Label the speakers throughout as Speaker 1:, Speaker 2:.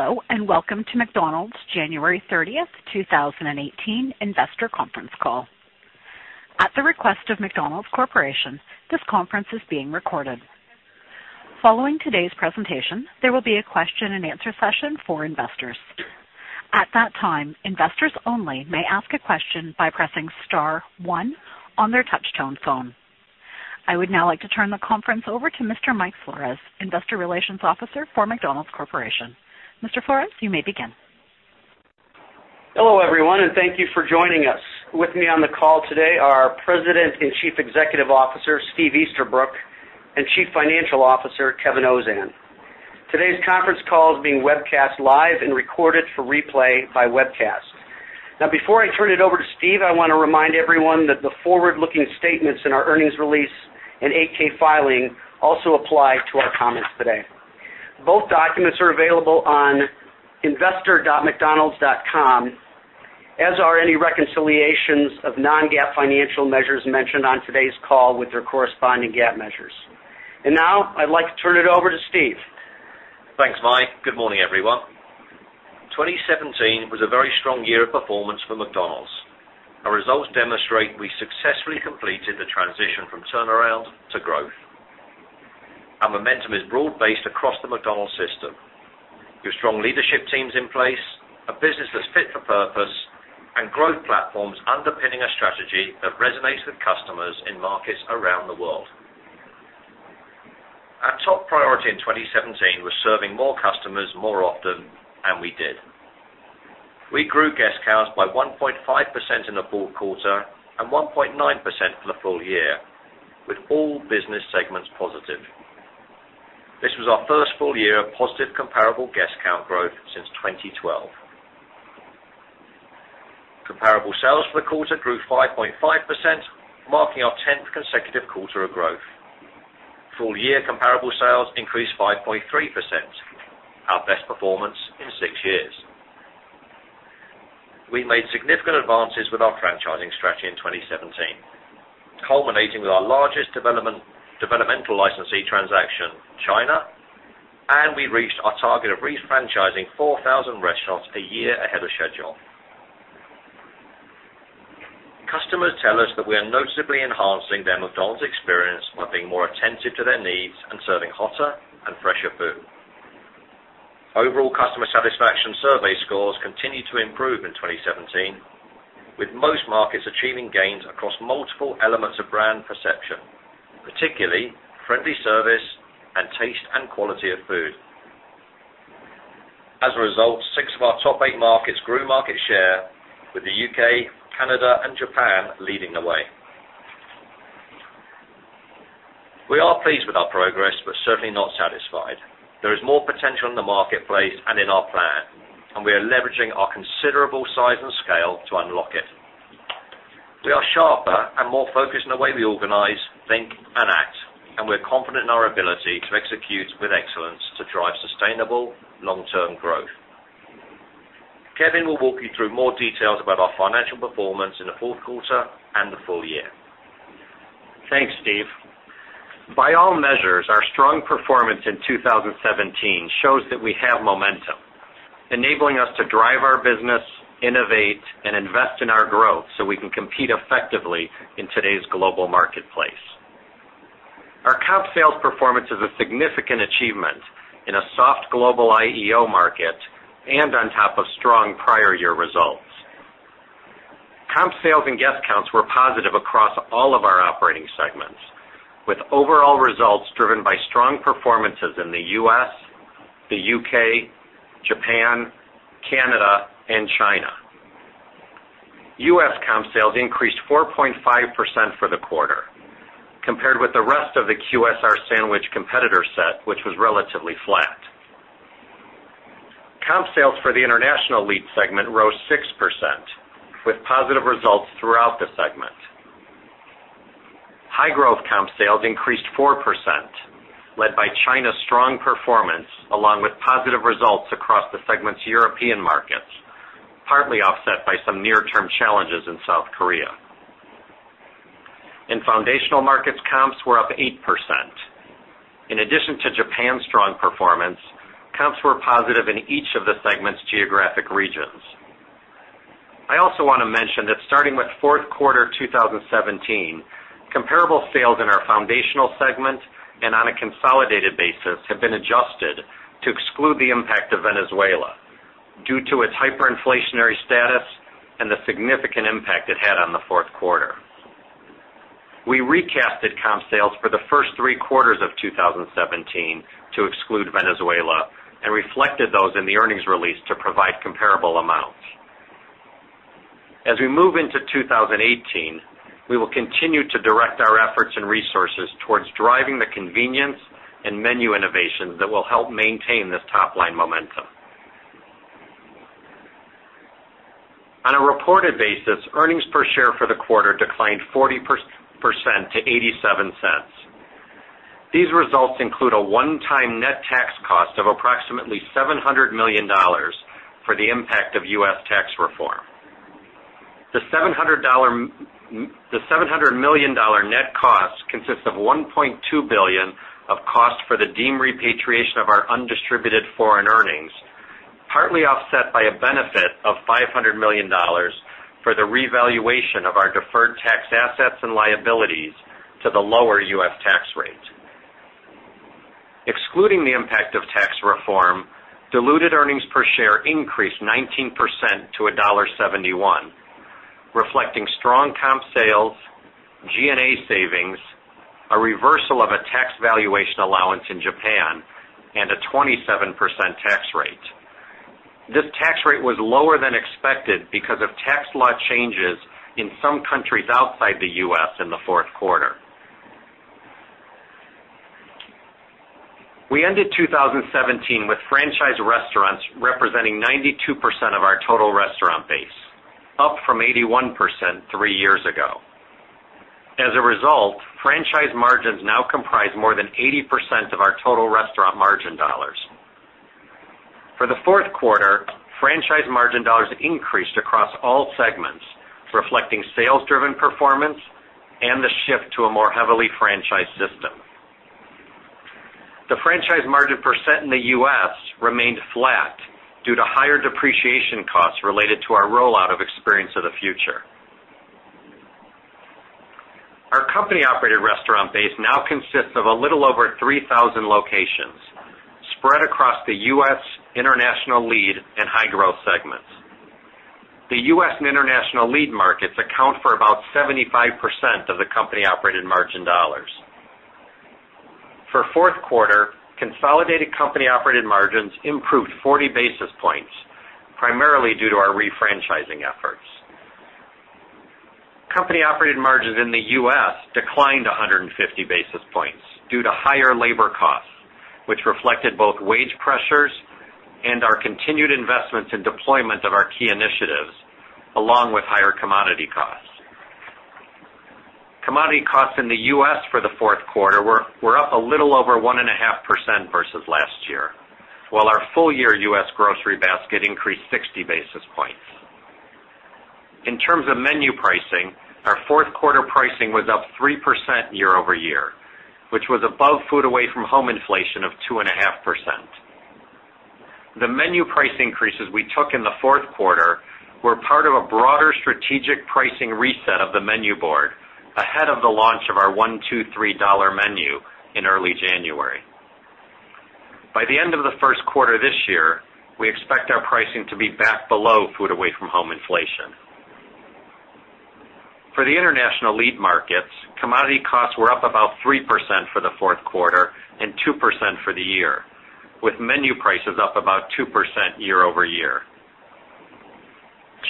Speaker 1: Hello, welcome to McDonald's January 30th, 2018 investor conference call. At the request of McDonald's Corporation, this conference is being recorded. Following today's presentation, there will be a question and answer session for investors. At that time, investors only may ask a question by pressing star one on their touch-tone phone. I would now like to turn the conference over to Mr. Mike Flores, Investor Relations Officer for McDonald's Corporation. Mr. Flores, you may begin.
Speaker 2: Hello, everyone, thank you for joining us. With me on the call today are President and Chief Executive Officer, Steve Easterbrook, and Chief Financial Officer, Kevin Ozan. Today's conference call is being webcast live and recorded for replay by webcast. Now, before I turn it over to Steve, I want to remind everyone that the forward-looking statements in our earnings release and 8-K filing also apply to our comments today. Both documents are available on investor.mcdonalds.com, as are any reconciliations of non-GAAP financial measures mentioned on today's call with their corresponding GAAP measures. Now, I'd like to turn it over to Steve.
Speaker 3: Thanks, Mike. Good morning, everyone. 2017 was a very strong year of performance for McDonald's. Our results demonstrate we successfully completed the transition from turnaround to growth. Our momentum is broad-based across the McDonald's system, with strong leadership teams in place, a business that's fit for purpose, growth platforms underpinning a strategy that resonates with customers in markets around the world. Our top priority in 2017 was serving more customers more often, we did. We grew guest counts by 1.5% in the fourth quarter and 1.9% for the full year, with all business segments positive. This was our first full year of positive comparable guest count growth since 2012. Comparable sales for the quarter grew 5.5%, marking our tenth consecutive quarter of growth. Full-year comparable sales increased 5.3%, our best performance in six years. We made significant advances with our franchising strategy in 2017, culminating with our largest developmental licensee transaction in China, we reached our target of re-franchising 4,000 restaurants a year ahead of schedule. Customers tell us that we are noticeably enhancing their McDonald's experience by being more attentive to their needs and serving hotter and fresher food. Overall customer satisfaction survey scores continued to improve in 2017, with most markets achieving gains across multiple elements of brand perception, particularly friendly service and taste and quality of food. As a result, six of our top eight markets grew market share, with the U.K., Canada, and Japan leading the way. We are pleased with our progress, certainly not satisfied. There is more potential in the marketplace and in our plan, we are leveraging our considerable size and scale to unlock it. We are sharper and more focused on the way we organize, think, and act. We're confident in our ability to execute with excellence to drive sustainable long-term growth. Kevin will walk you through more details about our financial performance in the fourth quarter and the full year.
Speaker 4: Thanks, Steve. By all measures, our strong performance in 2017 shows that we have momentum, enabling us to drive our business, innovate, and invest in our growth so we can compete effectively in today's global marketplace. Our comp sales performance is a significant achievement in a soft global IEO market and on top of strong prior year results. Comp sales and guest counts were positive across all of our operating segments, with overall results driven by strong performances in the U.S., the U.K., Japan, Canada, and China. U.S. comp sales increased 4.5% for the quarter, compared with the rest of the QSR sandwich competitor set, which was relatively flat. Comp sales for the international lead segment rose 6%, with positive results throughout the segment. High-growth comp sales increased 4%, led by China's strong performance, along with positive results across the segment's European markets, partly offset by some near-term challenges in South Korea. In foundational markets, comps were up 8%. In addition to Japan's strong performance, comps were positive in each of the segment's geographic regions. I also want to mention that starting with fourth quarter 2017, comparable sales in our foundational segment and on a consolidated basis have been adjusted to exclude the impact of Venezuela due to its hyperinflationary status and the significant impact it had on the fourth quarter. We recasted comp sales for the first three quarters of 2017 to exclude Venezuela and reflected those in the earnings release to provide comparable amounts. As we move into 2018, we will continue to direct our efforts and resources towards driving the convenience and menu innovation that will help maintain this top-line momentum. On a reported basis, earnings per share for the quarter declined 40% to $0.87. These results include a one-time net tax cost of approximately $700 million for the impact of U.S. tax reform. The $700 million net cost consists of $1.2 billion of cost for the deem repatriation of our undistributed foreign earnings, partly offset by a benefit of $500 million for the revaluation of our deferred tax assets and liabilities to the lower U.S. tax rate. Excluding the impact of tax reform, diluted earnings per share increased 19% to $1.71, reflecting strong comp sales, G&A savings, a reversal of a tax valuation allowance in Japan, and a 27% tax rate. This tax rate was lower than expected because of tax law changes in some countries outside the U.S. in the fourth quarter. We ended 2017 with franchise restaurants representing 92% of our total restaurant base, up from 81% three years ago. As a result, franchise margins now comprise more than 80% of our total restaurant margin dollars. For the fourth quarter, franchise margin dollars increased across all segments, reflecting sales-driven performance and the shift to a more heavily franchised system. The franchise margin percent in the U.S. remained flat due to higher depreciation costs related to our rollout of Experience of the Future. Our company-operated restaurant base now consists of a little over 3,000 locations spread across the U.S., international lead, and high-growth segments. The U.S. and international lead markets account for about 75% of the company-operated margin dollars. For fourth quarter, consolidated company-operated margins improved 40 basis points, primarily due to our refranchising efforts. Company-operated margins in the U.S. declined 150 basis points due to higher labor costs, which reflected both wage pressures and our continued investments in deployment of our key initiatives, along with higher commodity costs. Commodity costs in the U.S. for the fourth quarter were up a little over 1.5% versus last year, while our full-year U.S. grocery basket increased 60 basis points. In terms of menu pricing, our fourth quarter pricing was up 3% year-over-year, which was above food away from home inflation of 2.5%. The menu price increases we took in the fourth quarter were part of a broader strategic pricing reset of the menu board ahead of the launch of our $1, $2, $3 Menu in early January. By the end of the first quarter this year, we expect our pricing to be back below food away from home inflation. For the international lead markets, commodity costs were up about 3% for the fourth quarter and 2% for the year, with menu prices up about 2% year-over-year.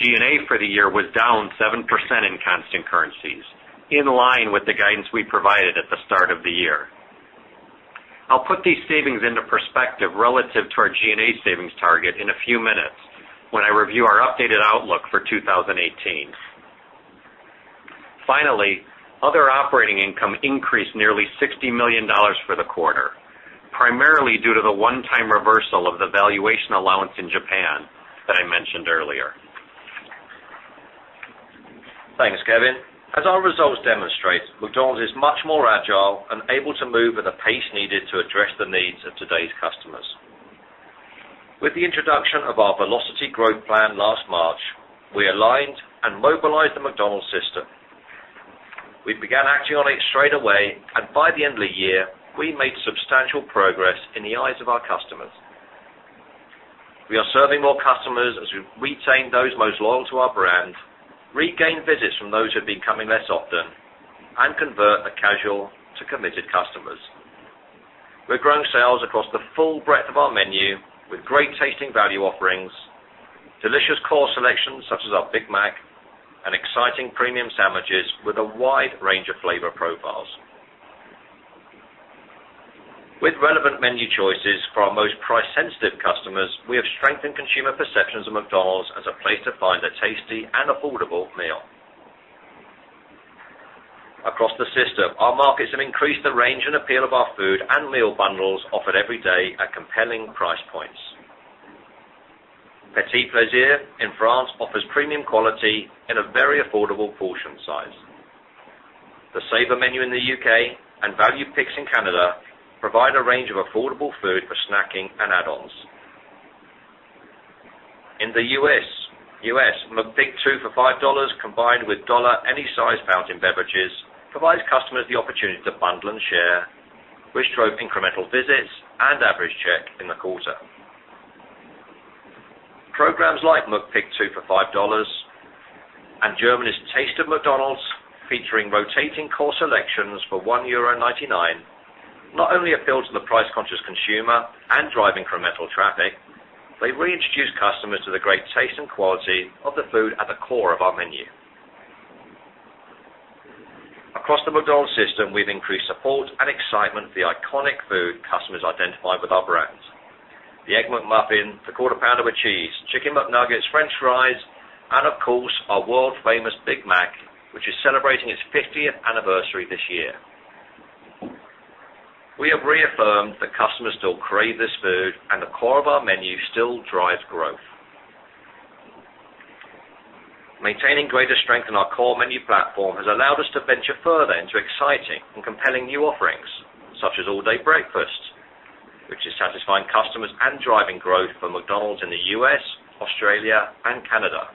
Speaker 4: G&A for the year was down 7% in constant currencies, in line with the guidance we provided at the start of the year. I'll put these savings into perspective relative to our G&A savings target in a few minutes when I review our updated outlook for 2018. Finally, other operating income increased nearly $60 million for the quarter, primarily due to the one-time reversal of the valuation allowance in Japan that I mentioned earlier.
Speaker 3: Thanks, Kevin. As our results demonstrate, McDonald's is much more agile and able to move at a pace needed to address the needs of today's customers. With the introduction of our Velocity Growth Plan last March, we aligned and mobilized the McDonald's system. We began acting on it straight away, and by the end of the year, we made substantial progress in the eyes of our customers. We are serving more customers as we retain those most loyal to our brand, regain visits from those who've been coming less often, and convert the casual to committed customers. We're growing sales across the full breadth of our menu with great-tasting value offerings, delicious core selections such as our Big Mac, and exciting premium sandwiches with a wide range of flavor profiles. With relevant menu choices for our most price-sensitive customers, we have strengthened consumer perceptions of McDonald's as a place to find a tasty and affordable meal. Across the system, our markets have increased the range and appeal of our food and meal bundles offered every day at compelling price points. Petit Plaisir in France offers premium quality in a very affordable portion size. The Saver Menu in the U.K. and Value Picks in Canada provide a range of affordable food for snacking and add-ons. In the U.S., McPick 2 for $5, combined with dollar-any-size fountain beverages, provides customers the opportunity to bundle and share, which drove incremental visits and average check in the quarter. Programs like McPick 2 for $5 and Germany's Taste of McDonald's, featuring rotating course selections for €1.99, not only appeal to the price-conscious consumer and drive incremental traffic, they reintroduce customers to the great taste and quality of the food at the core of our menu. Across the McDonald's system, we've increased support and excitement for the iconic food customers identify with our brands. The Egg McMuffin, the Quarter Pounder with Cheese, Chicken McNuggets, french fries, and of course, our world-famous Big Mac, which is celebrating its 50th anniversary this year. We have reaffirmed that customers still crave this food, and the core of our menu still drives growth. Maintaining greater strength in our core menu platform has allowed us to venture further into exciting and compelling new offerings, such as all-day breakfast, which is satisfying customers and driving growth for McDonald's in the U.S., Australia, and Canada.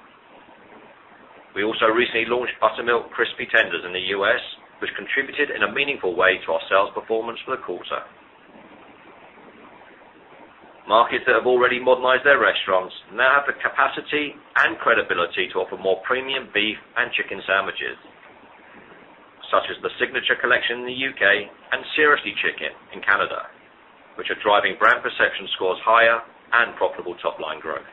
Speaker 3: We also recently launched Buttermilk Crispy Tenders in the U.S., which contributed in a meaningful way to our sales performance for the quarter. Markets that have already modernized their restaurants now have the capacity and credibility to offer more premium beef and chicken sandwiches, such as the Signature Collection in the U.K. and Seriously Chicken in Canada, which are driving brand perception scores higher and profitable top-line growth.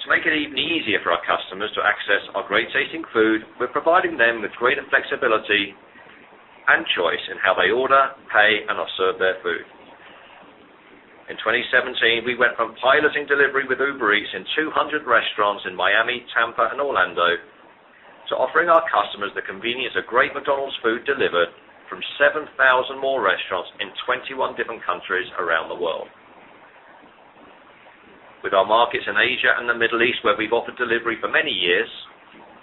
Speaker 3: To make it even easier for our customers to access our great-tasting food, we're providing them with greater flexibility and choice in how they order, pay, and are served their food. In 2017, we went from piloting delivery with Uber Eats in 200 restaurants in Miami, Tampa, and Orlando to offering our customers the convenience of great McDonald's food delivered from 7,000 more restaurants in 21 different countries around the world. With our markets in Asia and the Middle East where we've offered delivery for many years,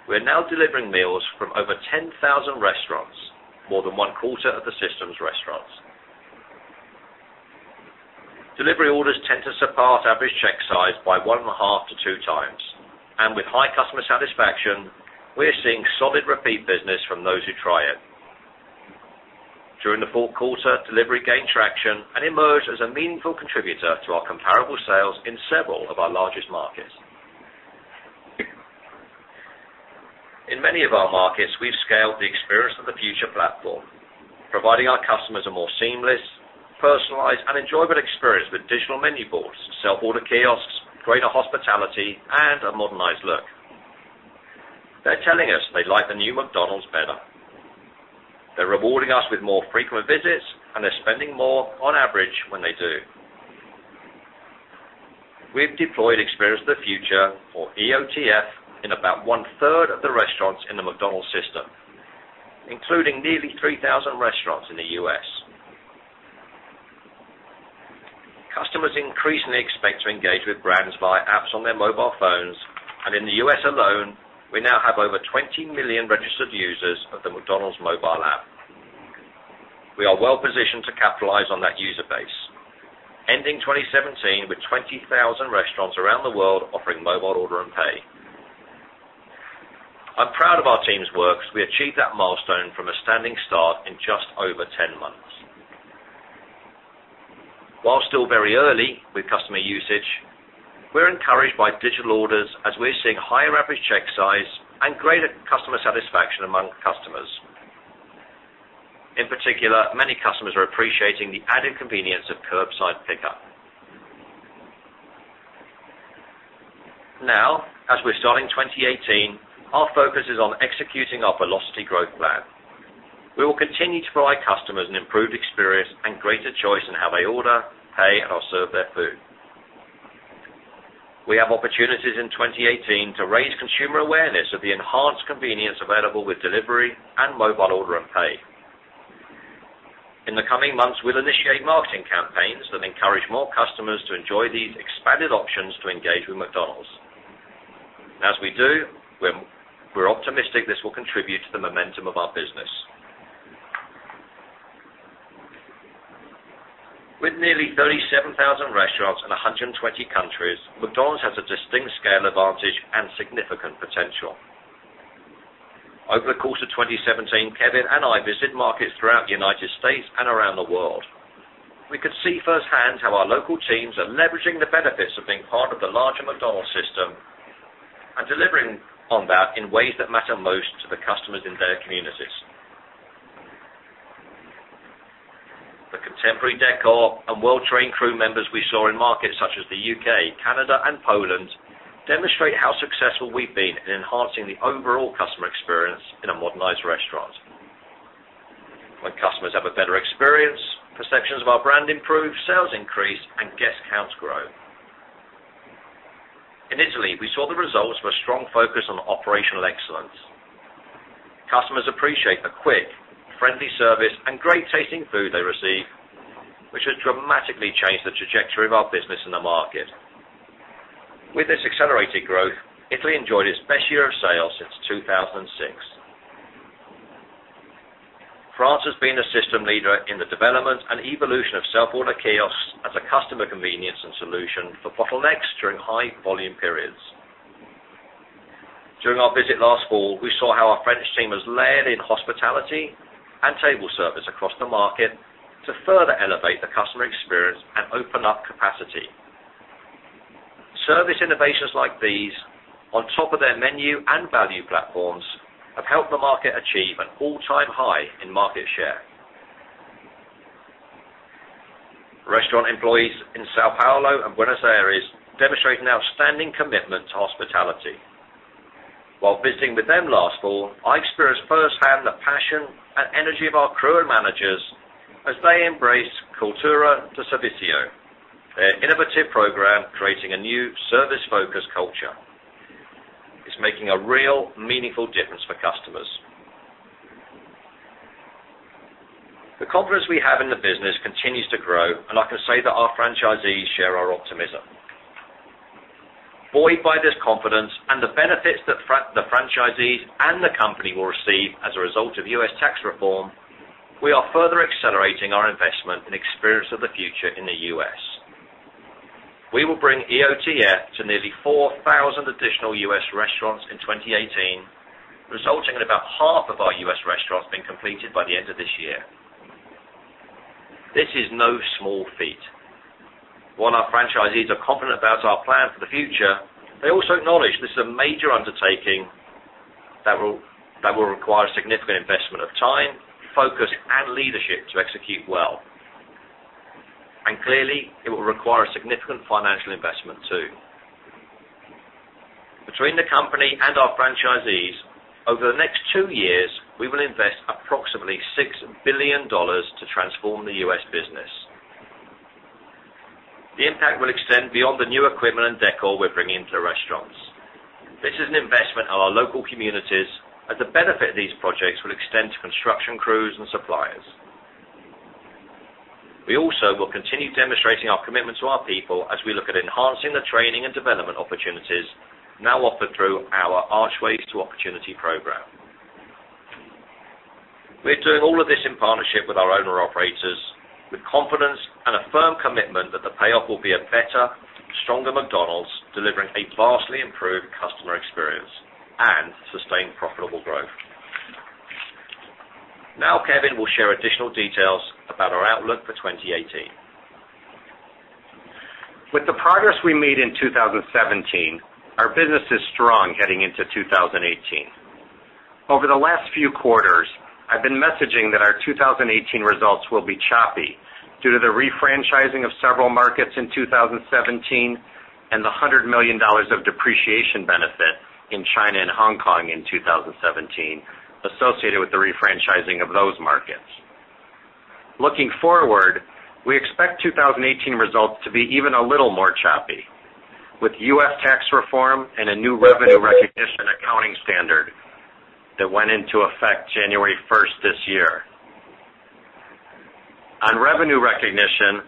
Speaker 3: we're now delivering meals from over 10,000 restaurants, more than one-quarter of the system's restaurants. Delivery orders tend to surpass average check size by one and a half to two times, and with high customer satisfaction, we're seeing solid repeat business from those who try it. During the fourth quarter, delivery gained traction and emerged as a meaningful contributor to our comparable sales in several of our largest markets. In many of our markets, we've scaled the Experience of the Future platform, providing our customers a more seamless, personalized, and enjoyable experience with digital menu boards, self-order kiosks, greater hospitality, and a modernized look. They're telling us they like the new McDonald's better. They're rewarding us with more frequent visits, and they're spending more on average when they do. We've deployed Experience of the Future or EOTF in about one-third of the restaurants in the McDonald's system, including nearly 3,000 restaurants in the U.S. Customers increasingly expect to engage with brands via apps on their mobile phones, and in the U.S. alone, we now have over 20 million registered users of the McDonald's mobile app. We are well-positioned to capitalize on that user base, ending 2017 with 20,000 restaurants around the world offering Mobile Order & Pay. I'm proud of our team's work as we achieved that milestone from a standing start in just over 10 months. While still very early with customer usage, we're encouraged by digital orders as we're seeing higher average check size and greater customer satisfaction among customers. In particular, many customers are appreciating the added convenience of curbside pickup. As we're starting 2018, our focus is on executing our Velocity Growth Plan. We will continue to provide customers an improved experience and greater choice in how they order, pay, and are served their food. We have opportunities in 2018 to raise consumer awareness of the enhanced convenience available with delivery and Mobile Order & Pay. In the coming months, we'll initiate marketing campaigns that encourage more customers to enjoy these expanded options to engage with McDonald's. As we do, we're optimistic this will contribute to the momentum of our business. With nearly 37,000 restaurants in 120 countries, McDonald's has a distinct scale advantage and significant potential. Over the course of 2017, Kevin and I visited markets throughout the U.S. and around the world. We could see firsthand how our local teams are leveraging the benefits of being part of the larger McDonald's system and delivering on that in ways that matter most to the customers in their communities. The contemporary decor and well-trained crew members we saw in markets such as the U.K., Canada, and Poland demonstrate how successful we've been in enhancing the overall customer experience in a modernized restaurant. When customers have a better experience, perceptions of our brand improve, sales increase, and guest counts grow. In Italy, we saw the results of a strong focus on operational excellence. Customers appreciate the quick, friendly service and great-tasting food they receive, which has dramatically changed the trajectory of our business in the market. With this accelerated growth, Italy enjoyed its best year of sales since 2006. France has been a system leader in the development and evolution of self-order kiosks as a customer convenience and solution for bottlenecks during high volume periods. During our visit last fall, we saw how our French team has layered in hospitality and table service across the market to further elevate the customer experience and open up capacity. Service innovations like these on top of their menu and value platforms have helped the market achieve an all-time high in market share. Restaurant employees in São Paulo and Buenos Aires demonstrate an outstanding commitment to hospitality. While visiting with them last fall, I experienced firsthand the passion and energy of our crew and managers as they embrace cultura de servicio. A new service-focused culture. It's making a real, meaningful difference for customers. The confidence we have in the business continues to grow, and I can say that our franchisees share our optimism. Buoyed by this confidence and the benefits that the franchisees and the company will receive as a result of U.S. tax reform, we are further accelerating our investment in Experience of the Future in the U.S. We will bring EOTF to nearly 4,000 additional U.S. restaurants in 2018, resulting in about half of our U.S. restaurants being completed by the end of this year. This is no small feat. While our franchisees are confident about our plan for the future, they also acknowledge this is a major undertaking that will require a significant investment of time, focus, and leadership to execute well. Clearly, it will require a significant financial investment too. Between the company and our franchisees, over the next two years, we will invest approximately $6 billion to transform the U.S. business. The impact will extend beyond the new equipment and decor we're bringing to the restaurants. This is an investment in our local communities, as the benefit of these projects will extend to construction crews and suppliers. We also will continue demonstrating our commitment to our people as we look at enhancing the training and development opportunities now offered through our Archways to Opportunity program. We're doing all of this in partnership with our owner operators with confidence and a firm commitment that the payoff will be a better, stronger McDonald's, delivering a vastly improved customer experience and sustained profitable growth. Kevin will share additional details about our outlook for 2018.
Speaker 4: With the progress we made in 2017, our business is strong heading into 2018. Over the last few quarters, I've been messaging that our 2018 results will be choppy due to the refranchising of several markets in 2017 and the $100 million of depreciation benefit in China and Hong Kong in 2017, associated with the refranchising of those markets. Looking forward, we expect 2018 results to be even a little more choppy with U.S. tax reform and a new revenue recognition accounting standard that went into effect January 1st this year. On revenue recognition,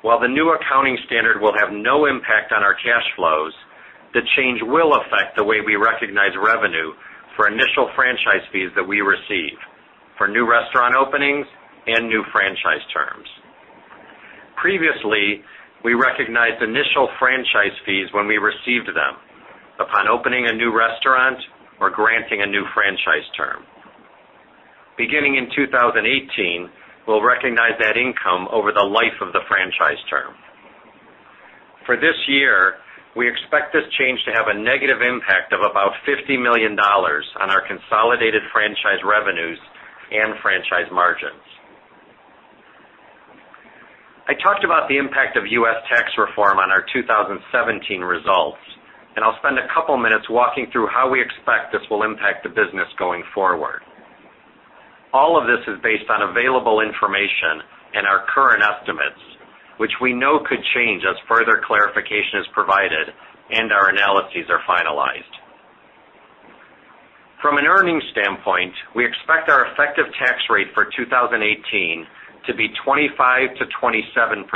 Speaker 4: while the new accounting standard will have no impact on our cash flows, the change will affect the way we recognize revenue for initial franchise fees that we receive for new restaurant openings and new franchise terms.
Speaker 2: Previously, we recognized initial franchise fees when we received them upon opening a new restaurant or granting a new franchise term. Beginning in 2018, we'll recognize that income over the life of the franchise term. For this year, we expect this change to have a negative impact of about $50 million on our consolidated franchise revenues and franchise margins. I talked about the impact of U.S. tax reform on our 2017 results, I'll spend a couple minutes walking through how we expect this will impact the business going forward. All of this is based on available information and our current estimates, which we know could change as further clarification is provided and our analyses are finalized. From an earnings standpoint, we expect our effective tax rate for 2018 to be 25%-27%,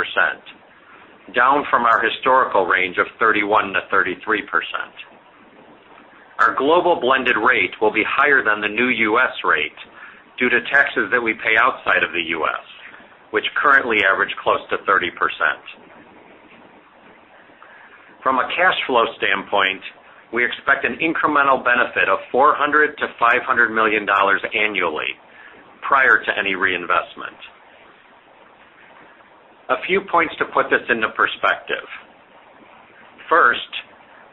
Speaker 2: down from our historical range of 31%-33%. Our global blended rate will be higher than the new U.S. rate due to taxes that we pay outside of the U.S., which currently average close to 30%. From a cash flow standpoint, we expect an incremental benefit of $400 million to $500 million annually prior to any reinvestment. A few points to put this into perspective. First,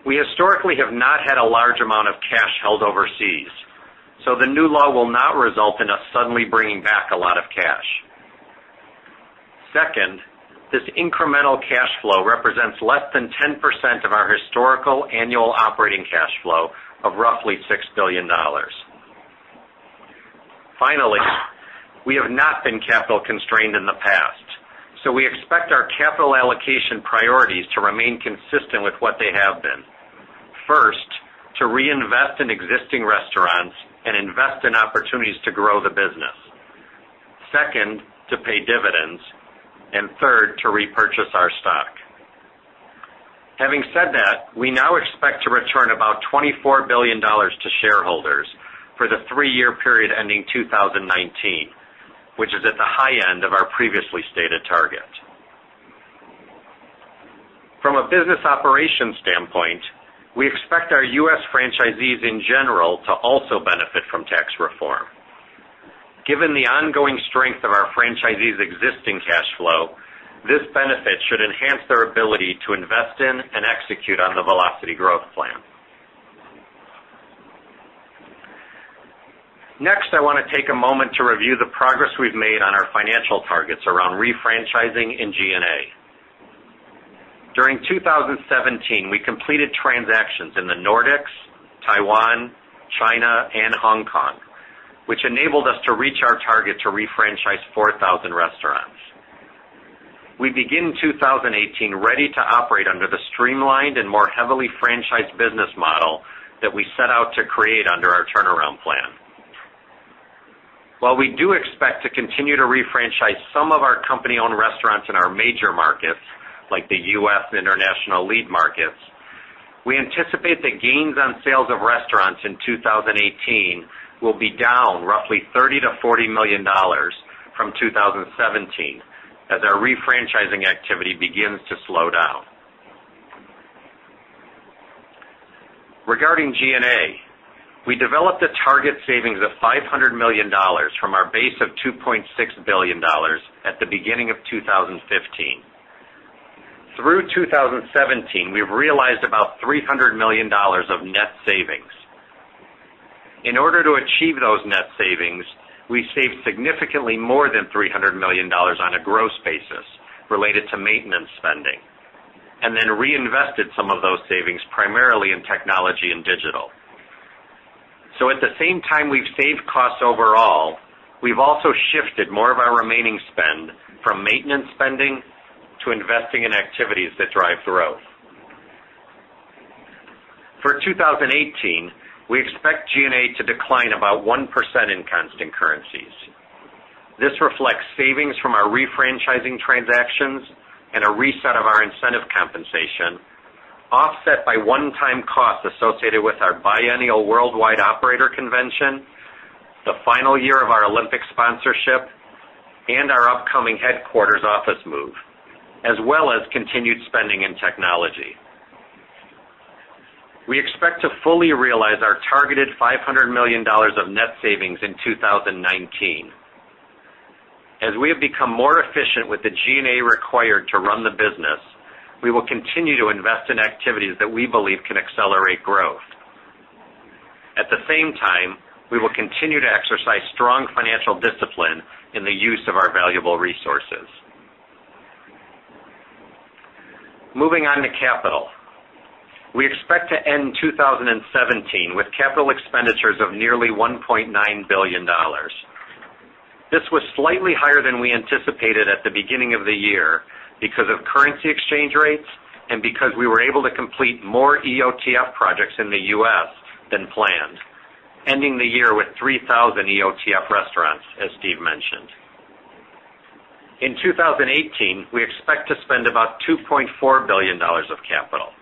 Speaker 2: we historically have not had a large amount of cash held overseas, so the new law will not result in us suddenly bringing back a lot of cash. Second, this incremental cash flow represents less than 10% of our historical annual operating cash flow of roughly $6 billion. Finally, we have not been capital constrained in the past, so we expect our capital allocation priorities to remain consistent with what they have been. First, to reinvest in existing restaurants and invest in opportunities to grow the business. Second, to pay dividends. Third, to repurchase our stock. Having said that, we now expect to return about $24 billion to shareholders for the three-year period ending 2019, which is at the high end of our previously stated target. From a business operations standpoint, we expect our U.S. franchisees in general to also benefit from tax reform. Given the ongoing strength of our franchisees' existing cash flow, this benefit should enhance their ability to invest in and execute on the Velocity Growth Plan. Next, I want to take a moment to review the progress we've made on our financial targets around refranchising in G&A. During 2017, we completed transactions in the Nordics, Taiwan, China, and Hong Kong, which enabled us to reach our target to refranchise 4,000 restaurants. We begin 2018 ready to operate under the streamlined and more heavily franchised business model that we set out to create under our turnaround plan. While we do expect to continue to refranchise some of our company-owned restaurants in our major markets, like the U.S. and international lead markets, we anticipate the gains on sales of restaurants in 2018 will be down roughly $30 million to $40 million from 2017 as our refranchising activity begins to slow down. Regarding G&A, we developed a target savings of $500 million from our base of $2.6 billion at the beginning of 2015. Through 2017, we've realized about $300 million of net savings. In order to achieve those net savings, we saved significantly more than $300 million on a gross basis related to maintenance spending, and then reinvested some of those savings primarily in technology and digital. At the same time we've saved costs overall, we've also shifted more of our remaining spend from maintenance spending to investing in activities that drive growth. For 2018, we expect G&A to decline about 1% in constant currencies. This reflects savings from our refranchising transactions and a reset of our incentive compensation, offset by one-time costs associated with our biennial worldwide operator convention, the final year of our Olympic sponsorship, and our upcoming headquarters office move, as well as continued spending in technology. We expect to fully realize our targeted $500 million of net savings in 2019. As we have become more efficient with the G&A required to run the business, we will continue to invest in activities that we believe can accelerate growth. At the same time, we will continue to exercise strong financial discipline in the use of our valuable resources. Moving on to capital. We expect to end 2017 with capital expenditures of nearly $1.9 billion. This was slightly higher than we anticipated at the beginning of the year because of currency exchange rates and because we were able to complete more EOTF projects in the U.S. than planned, ending the year with 3,000 EOTF restaurants, as Steve mentioned. In 2018, we expect to spend about $2.4 billion of capital.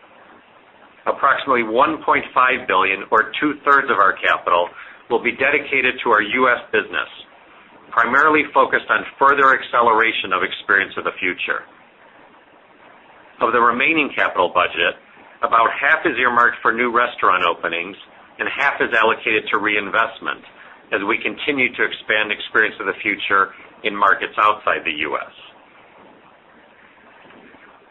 Speaker 2: Approximately $1.5 billion or two-thirds of our capital will be dedicated to our U.S. business, primarily focused on further acceleration of Experience of the Future. Of the remaining capital budget, about half is earmarked for new restaurant openings, and half is allocated to reinvestment as we continue to expand Experience of the Future in markets outside the U.S.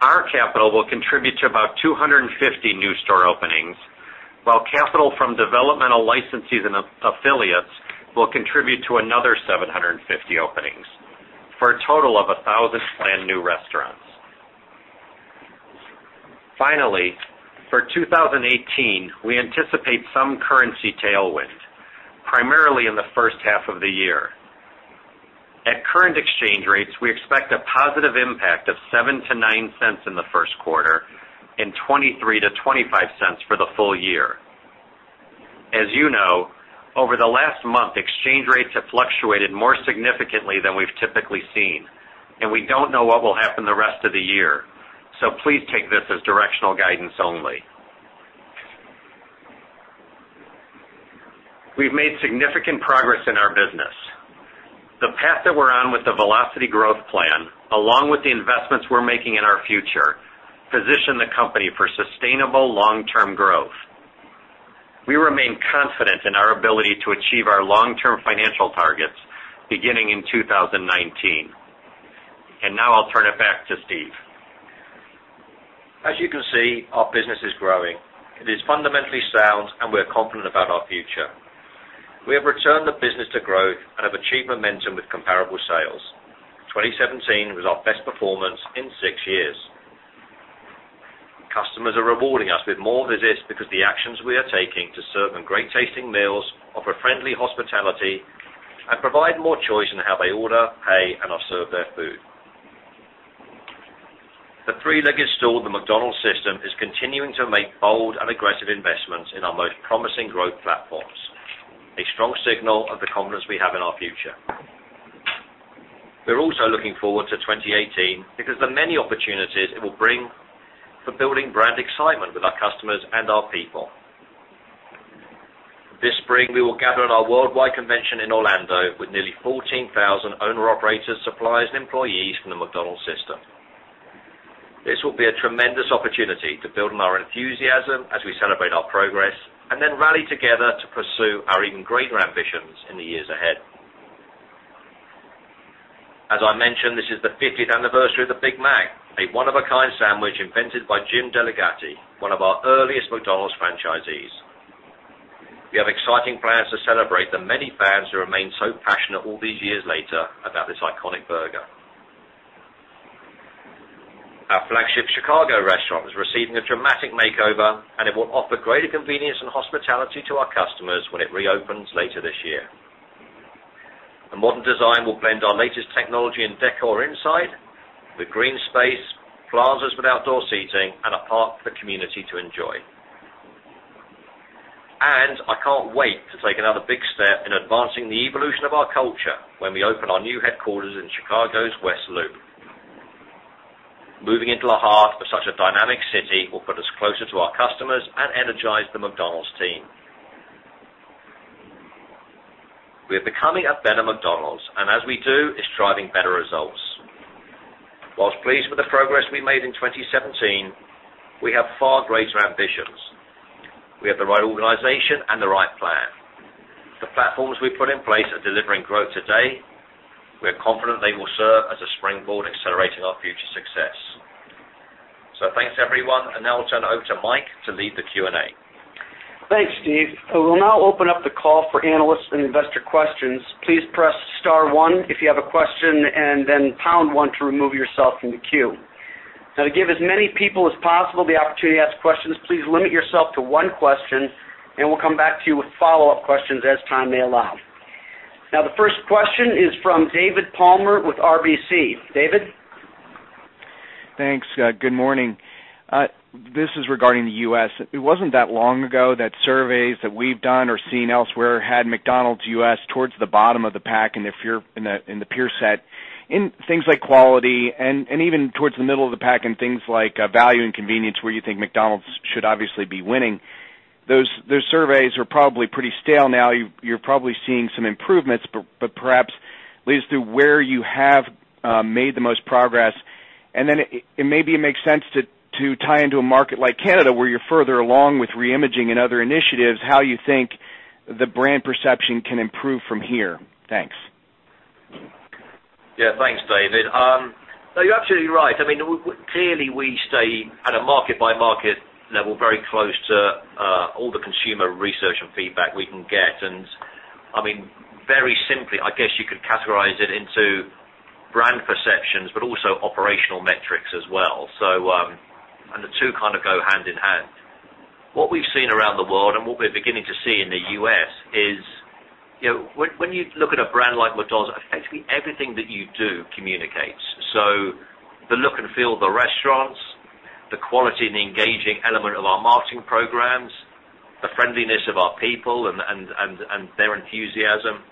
Speaker 2: Our capital will contribute to about 250 new store openings, while capital from developmental licensees and affiliates will contribute to another 750 openings for a total of 1,000 planned new restaurants. For 2018, we anticipate some currency tailwind, primarily in the first half of the year. At current exchange rates, we expect a positive impact of $0.07-$0.09 in the first quarter and $0.23-$0.25 for the full year. As you know, over the last month, exchange rates have fluctuated more significantly than we've typically seen, and we don't know what will happen the rest of the year, so please take this as directional guidance only. We've made significant progress in our business. The path that we're on with the Velocity Growth Plan, along with the investments we're making in our future, position the company for sustainable long-term growth. We remain confident in our ability to achieve our long-term financial targets beginning in 2019. Now I'll turn it back to Steve.
Speaker 3: As you can see, our business is growing. It is fundamentally sound, and we're confident about our future. We have returned the business to growth and have achieved momentum with comparable sales. 2017 was our best performance in six years. Customers are rewarding us with more visits because the actions we are taking to serve them great-tasting meals, offer friendly hospitality, and provide more choice in how they order, pay, and are served their food. The three-legged stool of the McDonald's system is continuing to make bold and aggressive investments in our most promising growth platforms, a strong signal of the confidence we have in our future. We're also looking forward to 2018 because of the many opportunities it will bring for building brand excitement with our customers and our people. This spring, we will gather at our worldwide convention in Orlando with nearly 14,000 owner-operators, suppliers, and employees from the McDonald's system. This will be a tremendous opportunity to build on our enthusiasm as we celebrate our progress and then rally together to pursue our even greater ambitions in the years ahead. As I mentioned, this is the 50th anniversary of the Big Mac, a one-of-a-kind sandwich invented by Jim Delligatti, one of our earliest McDonald's franchisees. We have exciting plans to celebrate the many fans who remain so passionate all these years later about this iconic burger. Our flagship Chicago restaurant is receiving a dramatic makeover, and it will offer greater convenience and hospitality to our customers when it reopens later this year. A modern design will blend our latest technology and decor inside with green space, plazas with outdoor seating, and a park for the community to enjoy. I can't wait to take another big step in advancing the evolution of our culture when we open our new headquarters in Chicago's West Loop. Moving into the heart of such a dynamic city will put us closer to our customers and energize the McDonald's team. We are becoming a better McDonald's, and as we do, it's driving better results. Whilst pleased with the progress we made in 2017, we have far greater ambitions. We have the right organization and the right plan. The platforms we've put in place are delivering growth today. We're confident they will serve as a springboard accelerating our future success. Thanks, everyone, and now I'll turn it over to Mike to lead the Q&A.
Speaker 2: Thanks, Steve. I will now open up the call for analysts and investor questions. Please press star one if you have a question and then pound one to remove yourself from the queue. To give as many people as possible the opportunity to ask questions, please limit yourself to one question, and we'll come back to you with follow-up questions as time may allow. The first question is from David Palmer with RBC. David?
Speaker 5: Thanks. Good morning. This is regarding the U.S. It wasn't that long ago that surveys that we've done or seen elsewhere had McDonald's U.S. towards the bottom of the pack in the peer set in things like quality, and even towards the middle of the pack in things like value and convenience, where you think McDonald's should obviously be winning. Those surveys are probably pretty stale now. You're probably seeing some improvements, but perhaps lead us through where you have made the most progress. Then maybe it makes sense to tie into a market like Canada, where you're further along with reimaging and other initiatives, how you think the brand perception can improve from here. Thanks.
Speaker 3: Yeah, thanks, David. No, you're absolutely right. Clearly, we stay at a market-by-market level very close to all the consumer research and feedback we can get. Very simply, I guess you could categorize it into brand perceptions, but also operational metrics as well. The two kind of go hand in hand. What we've seen around the world and what we're beginning to see in the U.S. is when you look at a brand like McDonald's, effectively everything that you do communicates. The look and feel of the restaurants, the quality and the engaging element of our marketing programs, the friendliness of our people and their enthusiasm.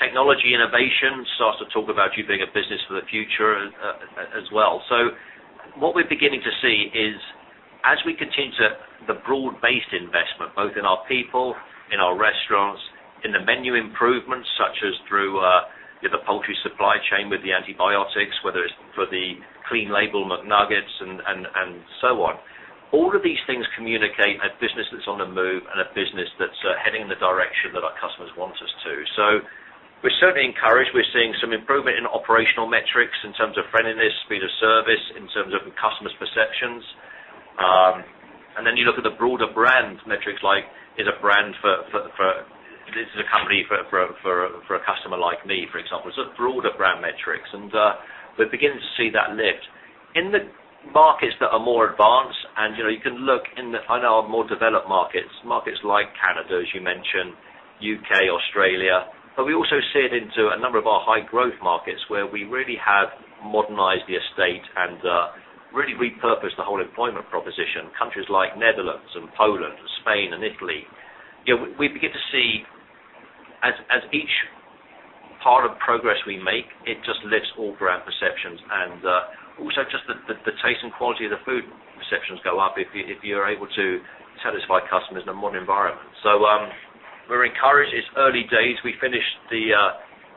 Speaker 3: Technology innovation starts to talk about you being a business for the future as well. What we're beginning to see is as we continue the broad-based investment, both in our people, in our restaurants, in the menu improvements, such as through the poultry supply chain with the antibiotics, whether it's for the clean label McNuggets and so on. All of these things communicate a business that's on the move and a business that's heading in the direction that our customers want us to. We're certainly encouraged. We're seeing some improvement in operational metrics in terms of friendliness, speed of service, in terms of customers' perceptions. You look at the broader brand metrics, like is this a company for a customer like me, for example. Broader brand metrics. We're beginning to see that lift. In the markets that are more advanced, you can look in our more developed markets like Canada, as you mentioned, U.K., Australia. We also see it into a number of our high-growth markets where we really have modernized the estate and really repurposed the whole employment proposition. Countries like Netherlands and Poland and Spain and Italy. We begin to see as each part of progress we make, it just lifts all brand perceptions and also just the taste and quality of the food perceptions go up if you're able to satisfy customers in a modern environment. We're encouraged. It's early days. We finished the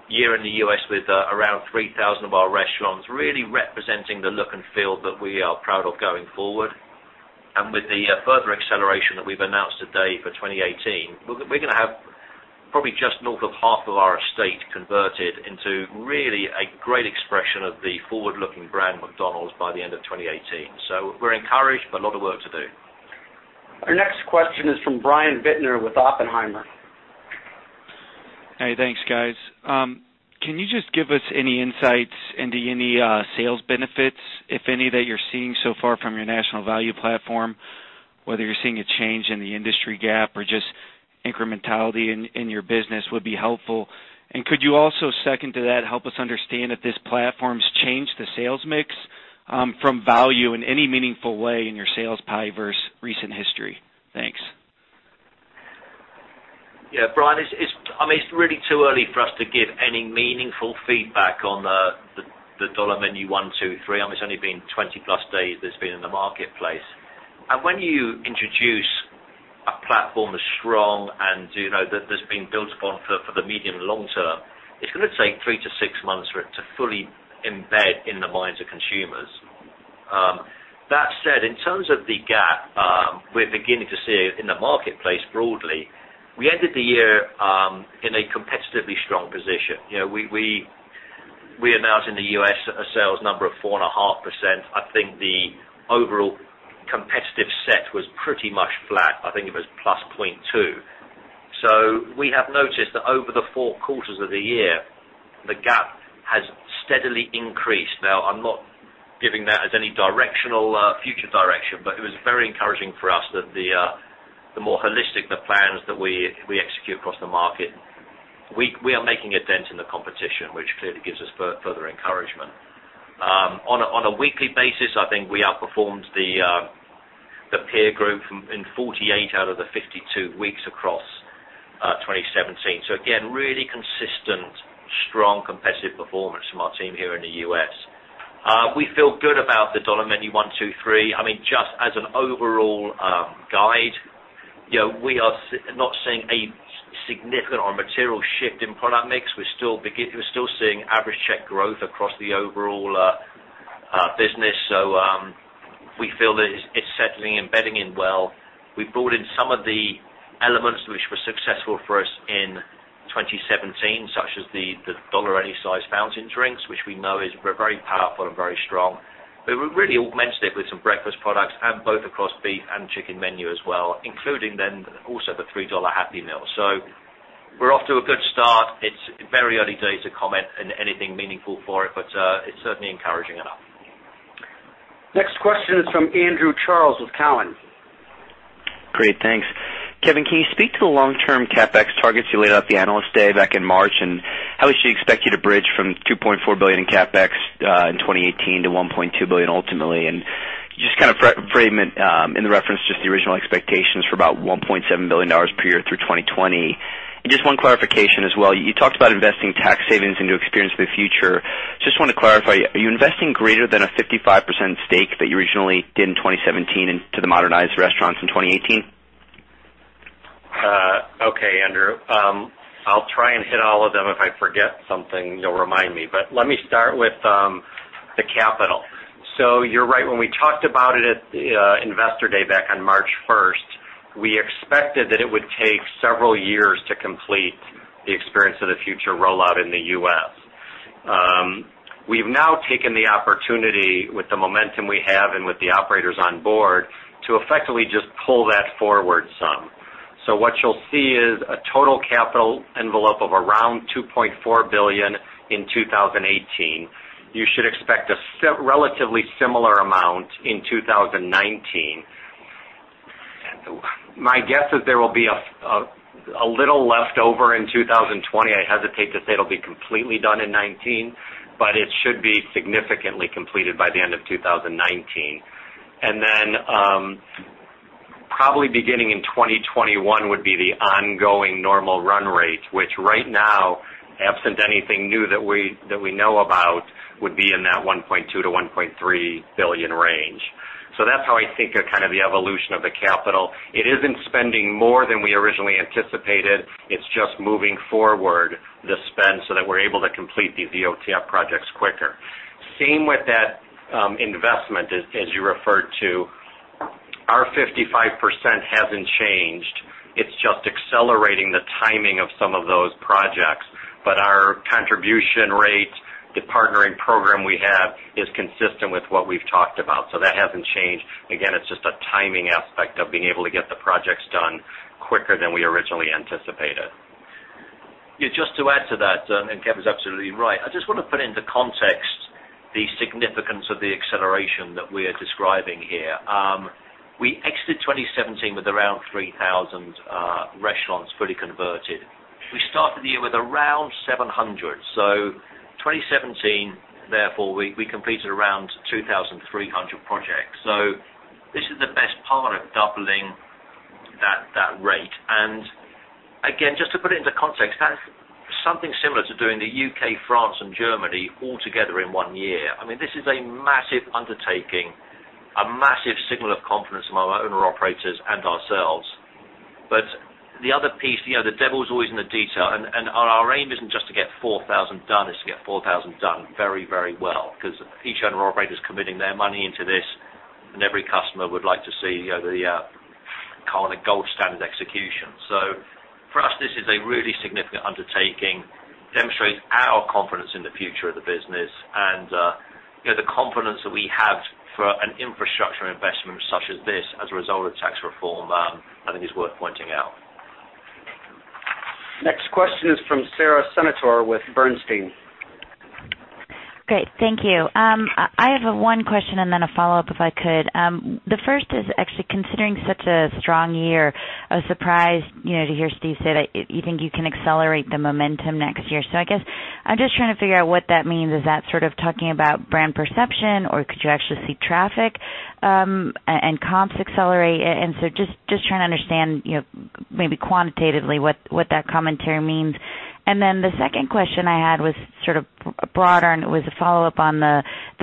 Speaker 3: year in the U.S. with around 3,000 of our restaurants, really representing the look and feel that we are proud of going forward. With the further acceleration that we've announced today for 2018, we're going to have probably just north of half of our estate converted into really a great expression of the forward-looking brand McDonald's by the end of 2018. We're encouraged, but a lot of work to do.
Speaker 2: Our next question is from Brian Bittner with Oppenheimer.
Speaker 6: Hey, thanks, guys. Can you just give us any insights into any sales benefits, if any, that you're seeing so far from your national value platform? Whether you're seeing a change in the industry gap or just incrementality in your business would be helpful. Could you also, second to that, help us understand if this platform's changed the sales mix from value in any meaningful way in your sales pie versus recent history? Thanks.
Speaker 3: Yeah, Brian, it's really too early for us to give any meaningful feedback on the $1 $2 $3 Dollar Menu. It's only been 20-plus days that it's been in the marketplace. When you introduce a platform as strong and that's being built upon for the medium long term, it's going to take three to six months for it to fully embed in the minds of consumers. That said, in terms of the gap, we're beginning to see in the marketplace broadly, we ended the year in a competitively strong position. We announced in the U.S. a sales number of 4.5%. I think the overall Pretty much flat. I think it was +0.2. We have noticed that over the four quarters of the year, the gap has steadily increased. I'm not giving that as any future direction, but it was very encouraging for us that the more holistic the plans that we execute across the market, we are making a dent in the competition, which clearly gives us further encouragement. On a weekly basis, I think we outperformed the peer group in 48 out of the 52 weeks across 2017. Again, really consistent, strong, competitive performance from our team here in the U.S. We feel good about the $1 $2 $3 Dollar Menu. Just as an overall guide, we are not seeing a significant or material shift in product mix. We're still seeing average check growth across the overall business. We feel that it's settling and bedding in well. We've brought in some of the elements which were successful for us in 2017, such as the dollar any size fountain drinks, which we know is very powerful and very strong. We really augmented it with some breakfast products and both across beef and chicken menu as well, including then also the $3 Happy Meal. We're off to a good start. It's very early days to comment on anything meaningful for it, but it's certainly encouraging enough.
Speaker 2: Next question is from Andrew Charles with Cowen.
Speaker 7: Great, thanks. Kevin, can you speak to the long-term CapEx targets you laid out at the Analyst Day back in March, and how we should expect you to bridge from $2.4 billion in CapEx in 2018 to $1.2 billion ultimately? Just kind of frame it in the reference, the original expectations for about $1.7 billion per year through 2020. Just one clarification as well. You talked about investing tax savings into Experience of the Future. Just want to clarify, are you investing greater than a 55% stake that you originally did in 2017 into the modernized restaurants in 2018?
Speaker 4: Okay, Andrew. I'll try and hit all of them. If I forget something, you'll remind me. Let me start with the capital. You're right, when we talked about it at the Investor Day back on March 1st, we expected that it would take several years to complete the Experience of the Future rollout in the U.S. We've now taken the opportunity with the momentum we have and with the operators on board to effectively just pull that forward some. What you'll see is a total capital envelope of around $2.4 billion in 2018. You should expect a relatively similar amount in 2019. My guess is there will be a little left over in 2020. I hesitate to say it'll be completely done in 2019, but it should be significantly completed by the end of 2019.
Speaker 2: Probably beginning in 2021 would be the ongoing normal run rate, which right now, absent anything new that we know about, would be in that $1.2 billion-$1.3 billion range. That's how I think of kind of the evolution of the capital. It isn't spending more than we originally anticipated. It's just moving forward the spend so that we're able to complete these EOTF projects quicker. Same with that investment as you referred to. Our 55% hasn't changed. It's just accelerating the timing of some of those projects. Our contribution rate, the partnering program we have is consistent with what we've talked about. That hasn't changed. Again, it's just a timing aspect of being able to get the projects done quicker than we originally anticipated.
Speaker 3: Just to add to that, Kevin is absolutely right. I just want to put into context the significance of the acceleration that we are describing here. We exited 2017 with around 3,000 restaurants fully converted. We started the year with around 700. 2017, therefore, we completed around 2,300 projects. This is the best part of doubling that rate. Again, just to put it into context, that is something similar to doing the U.K., France, and Germany all together in one year. This is a massive undertaking, a massive signal of confidence from our owner/operators and ourselves. The other piece, the devil is always in the detail, our aim is not just to get 4,000 done, it is to get 4,000 done very well. Because each owner/operator is committing their money into this, and every customer would like to see the kind of gold standard execution. For us, this is a really significant undertaking, demonstrates our confidence in the future of the business and the confidence that we have for an infrastructure investment such as this as a result of tax reform, I think is worth pointing out.
Speaker 2: Next question is from Sara Senatore with Bernstein.
Speaker 8: Great. Thank you. I have one question and then a follow-up, if I could. The first is actually considering such a strong year, a surprise to hear Steve say that you think you can accelerate the momentum next year. I guess I am just trying to figure out what that means. Is that sort of talking about brand perception, or could you actually see traffic and comps accelerate? Just trying to understand maybe quantitatively what that commentary means. The second question I had was sort of broader, it was a follow-up on the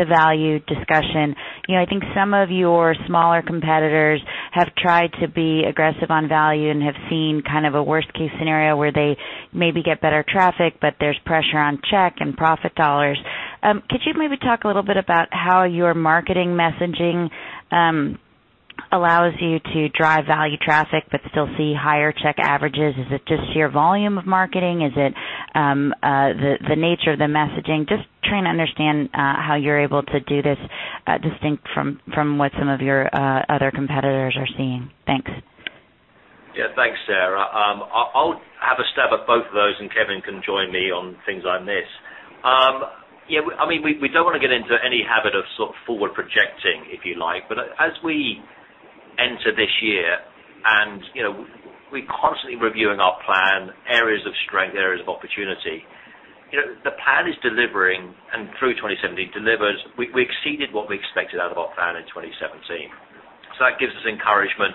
Speaker 8: value discussion. I think some of your smaller competitors have tried to be aggressive on value and have seen kind of a worst-case scenario where they maybe get better traffic, but there is pressure on check and profit dollars. Could you maybe talk a little bit about how your marketing messaging allows you to drive value traffic but still see higher check averages? Is it just sheer volume of marketing? Is it the nature of the messaging? Just trying to understand how you're able to do this distinct from what some of your other competitors are seeing. Thanks.
Speaker 3: Thanks, Sara. I'll have a stab at both of those, and Kevin can join me on things like this. We don't want to get into any habit of sort of forward-projecting, if you like. As we enter this year, we're constantly reviewing our plan, areas of strength, areas of opportunity. The plan is delivering, and through 2017, we exceeded what we expected out of our plan in 2017. That gives us encouragement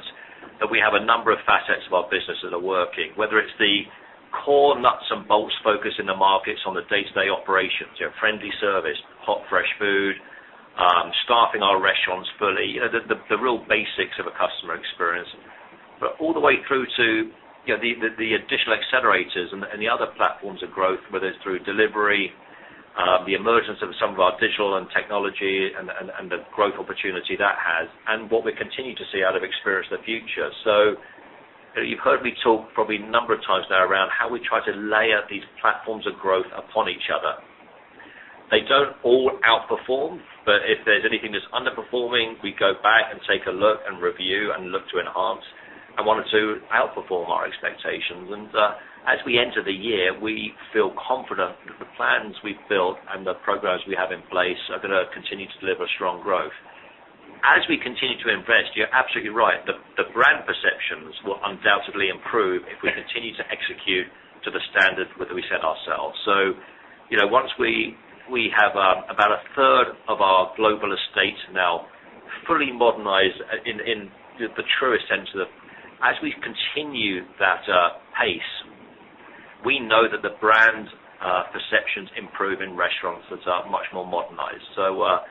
Speaker 3: that we have a number of facets of our business that are working, whether it's the core nuts-and-bolts focus in the markets on the day-to-day operations, friendly service, hot, fresh food, staffing our restaurants fully, the real basics of a customer experience, but all the way through to the additional accelerators and the other platforms of growth, whether it's through delivery, the emergence of some of our digital and technology and the growth opportunity that has, and what we continue to see out of Experience of the Future. You've heard me talk probably a number of times now around how we try to layer these platforms of growth upon each other. They don't all outperform, but if there's anything that's underperforming, we go back and take a look and review and look to enhance and one or two outperform our expectations. As we enter the year, we feel confident that the plans we've built and the programs we have in place are going to continue to deliver strong growth. As we continue to invest, you're absolutely right, the brand perceptions will undoubtedly improve if we continue to execute to the standard that we set ourselves. Once we have about a third of our global estate now fully modernized. As we continue that pace, we know that the brand perceptions improve in restaurants that are much more modernized. We're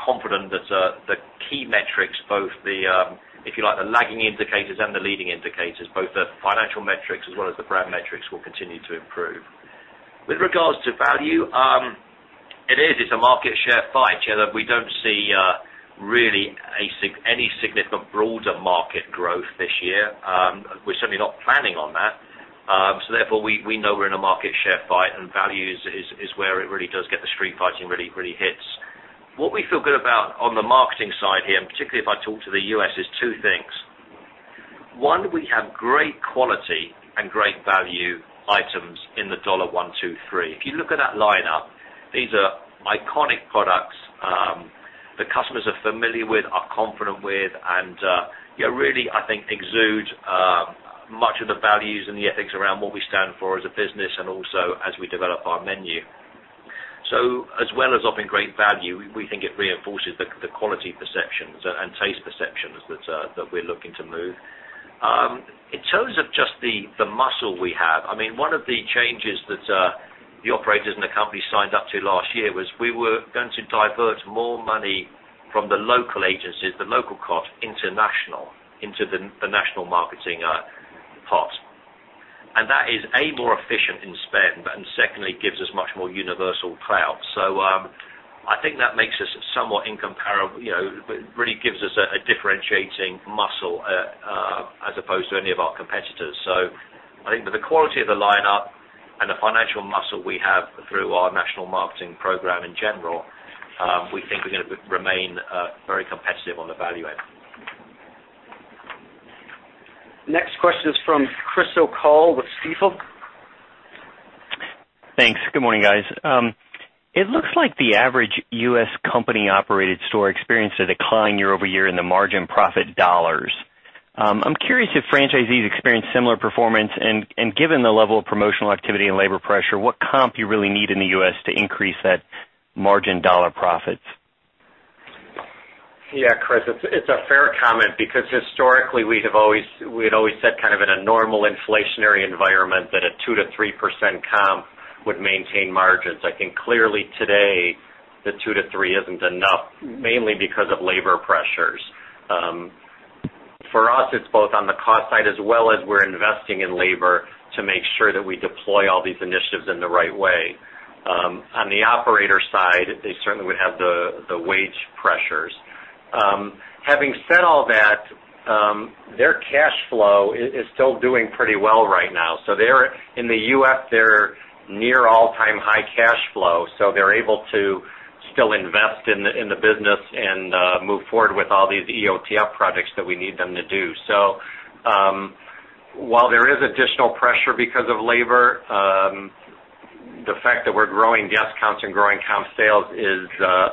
Speaker 3: confident that the key metrics, both the, if you like, the lagging indicators and the leading indicators, both the financial metrics as well as the brand metrics, will continue to improve. With regards to value, it is. It's a market share fight. We don't see really any significant broader market growth this year. We're certainly not planning on that. Therefore, we know we're in a market share fight, and value is where it really does get the street fighting really hits. What we feel good about on the marketing side here, and particularly if I talk to the U.S., is two things. One, we have great quality and great value items in the Dollar 1-2-3. If you look at that lineup, these are iconic products that customers are familiar with, are confident with, and really, I think, exudes much of the values and the ethics around what we stand for as a business and also as we develop our menu. As well as offering great value, we think it reinforces the quality perceptions and taste perceptions that we're looking to move. In terms of just the muscle we have, one of the changes that the operators in the company signed up to last year was we were going to divert more money from the local agencies, the local cost, into national, into the national marketing pot. That is more efficient in spend, and secondly, gives us much more universal clout. I think that makes us somewhat incomparable, really gives us a differentiating muscle as opposed to any of our competitors. I think with the quality of the lineup and the financial muscle we have through our national marketing program in general, we think we're going to remain very competitive on the value end.
Speaker 2: Next question is from Chris O'Cull with Stifel.
Speaker 9: Thanks. Good morning, guys. It looks like the average U.S. company-operated store experienced a decline year-over-year in the margin profit dollars. I'm curious if franchisees experienced similar performance, and given the level of promotional activity and labor pressure, what comp you really need in the U.S. to increase that margin dollar profits?
Speaker 4: Yeah, Chris, it's a fair comment because historically, we had always said kind of in a normal inflationary environment that a 2%-3% comp would maintain margins. I think clearly today, the 2%-3% isn't enough, mainly because of labor pressures. For us, it's both on the cost side as well as we're investing in labor to make sure that we deploy all these initiatives in the right way. On the operator side, they certainly would have the wage pressures. Having said all that, their cash flow is still doing pretty well right now. In the U.S., they're near all-time high cash flow, so they're able to still invest in the business and move forward with all these EOTF projects that we need them to do. While there is additional pressure because of labor, the fact that we're growing guest counts and growing comp sales is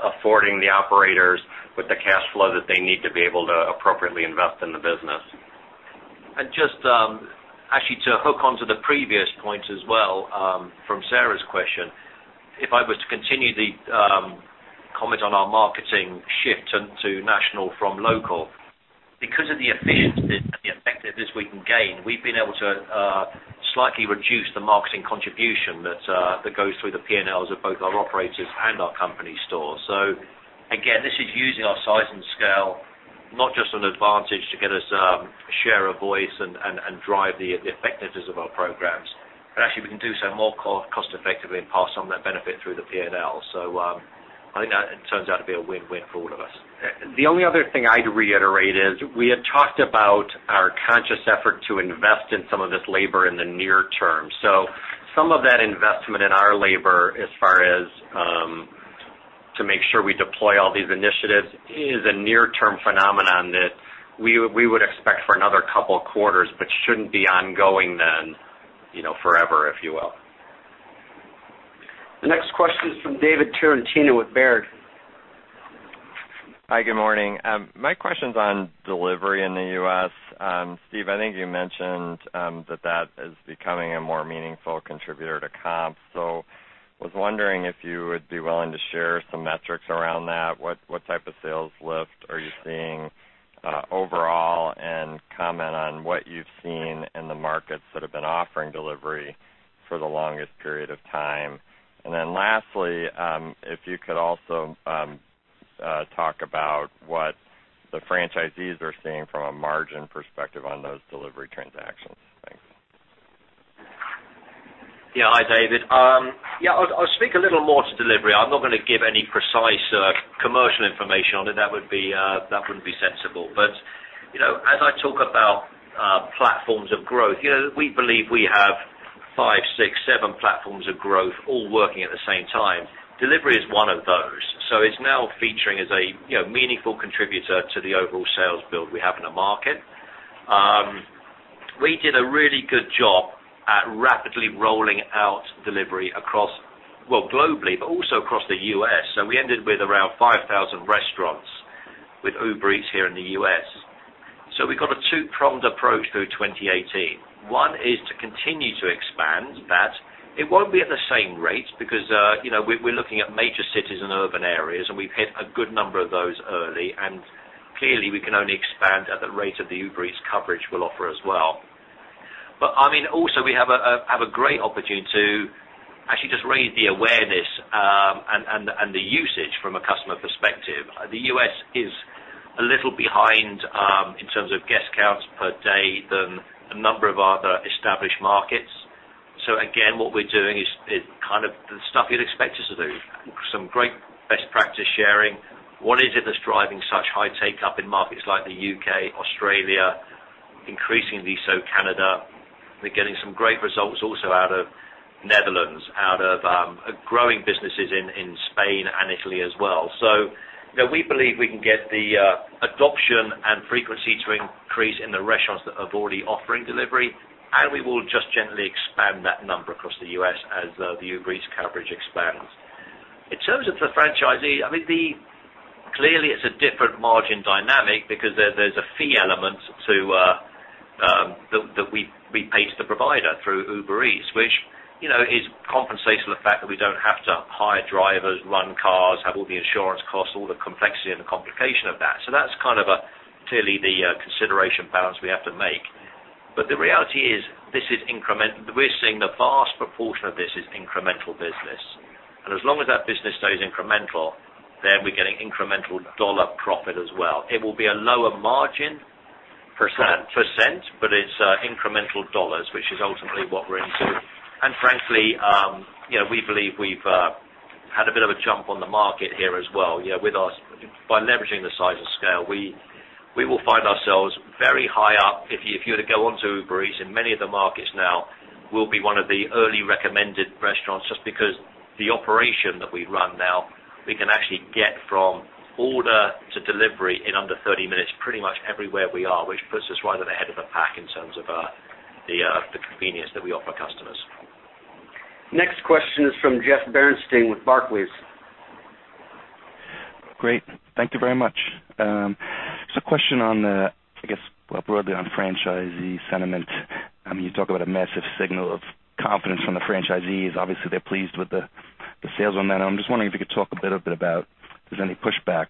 Speaker 4: affording the operators with the cash flow that they need to be able to appropriately invest in the business.
Speaker 3: Just actually to hook onto the previous point as well, from Sara's question, if I was to continue the comment on our marketing shift to national from local. Because of the efficiencies and the effectiveness we can gain, we've been able to slightly reduce the marketing contribution that goes through the P&Ls of both our operators and our company stores. Again, this is using our size and scale, not just an advantage to get us share a voice and drive the effectiveness of our programs. Actually, we can do so more cost-effectively and pass on that benefit through the P&L. I think that turns out to be a win-win for all of us.
Speaker 4: The only other thing I'd reiterate is we had talked about our conscious effort to invest in some of this labor in the near term. Some of that investment in our labor, as far as to make sure we deploy all these initiatives. It is a near-term phenomenon that we would expect for another couple of quarters, but shouldn't be ongoing then forever, if you will.
Speaker 2: The next question is from David Tarantino with Baird.
Speaker 10: Hi, good morning. My question's on delivery in the U.S. Steve, I think you mentioned that is becoming a more meaningful contributor to comps. I was wondering if you would be willing to share some metrics around that. What type of sales lift are you seeing overall? Comment on what you've seen in the markets that have been offering delivery for the longest period of time. Lastly, if you could also talk about what the franchisees are seeing from a margin perspective on those delivery transactions. Thanks.
Speaker 3: Yeah. Hi, David. I'll speak a little more to delivery. I'm not going to give any precise commercial information on it. That wouldn't be sensible. As I talk about platforms of growth, we believe we have five, six, seven platforms of growth all working at the same time. Delivery is one of those. It's now featuring as a meaningful contributor to the overall sales build we have in the market. We did a really good job at rapidly rolling out delivery across, well, globally, but also across the U.S. We ended with around 5,000 restaurants with Uber Eats here in the U.S. We've got a two-pronged approach through 2018. One is to continue to expand that. It won't be at the same rate because we're looking at major cities and urban areas, and we've hit a good number of those early, and clearly we can only expand at the rate of the Uber Eats coverage we'll offer as well. Also, we have a great opportunity to actually just raise the awareness and the usage from a customer perspective. The U.S. is a little behind in terms of guest counts per day than a number of other established markets. Again, what we're doing is kind of the stuff you'd expect us to do. Some great best practice sharing. What is it that's driving such high take-up in markets like the U.K., Australia, increasingly so Canada? We're getting some great results also out of Netherlands, out of growing businesses in Spain and Italy as well. We believe we can get the adoption and frequency to increase in the restaurants that are already offering delivery, and we will just gently expand that number across the U.S. as the Uber Eats coverage expands. In terms of the franchisee, clearly it's a different margin dynamic because there's a fee element that we pay to the provider through Uber Eats, which is compensation of the fact that we don't have to hire drivers, run cars, have all the insurance costs, all the complexity, and the complication of that. That's kind of clearly the consideration balance we have to make. The reality is, we're seeing the vast proportion of this is incremental business. As long as that business stays incremental, then we're getting incremental dollar profit as well. It will be a lower margin-
Speaker 10: Percent?
Speaker 3: percent, it's incremental dollars, which is ultimately what we're into. Frankly, we believe we've had a bit of a jump on the market here as well, by leveraging the size of scale. We will find ourselves very high up. If you were to go onto Uber Eats, in many of the markets now, we'll be one of the early recommended restaurants just because the operation that we run now, we can actually get from order to delivery in under 30 minutes, pretty much everywhere we are, which puts us right at the head of the pack in terms of the convenience that we offer customers.
Speaker 2: Next question is from Jeff Bernstein with Barclays.
Speaker 11: Great. Thank you very much. Just a question on the, I guess, broadly on franchisee sentiment. You talk about a massive signal of confidence from the franchisees. Obviously, they're pleased with the sales on that. I'm just wondering if you could talk a little bit about if there's any pushback.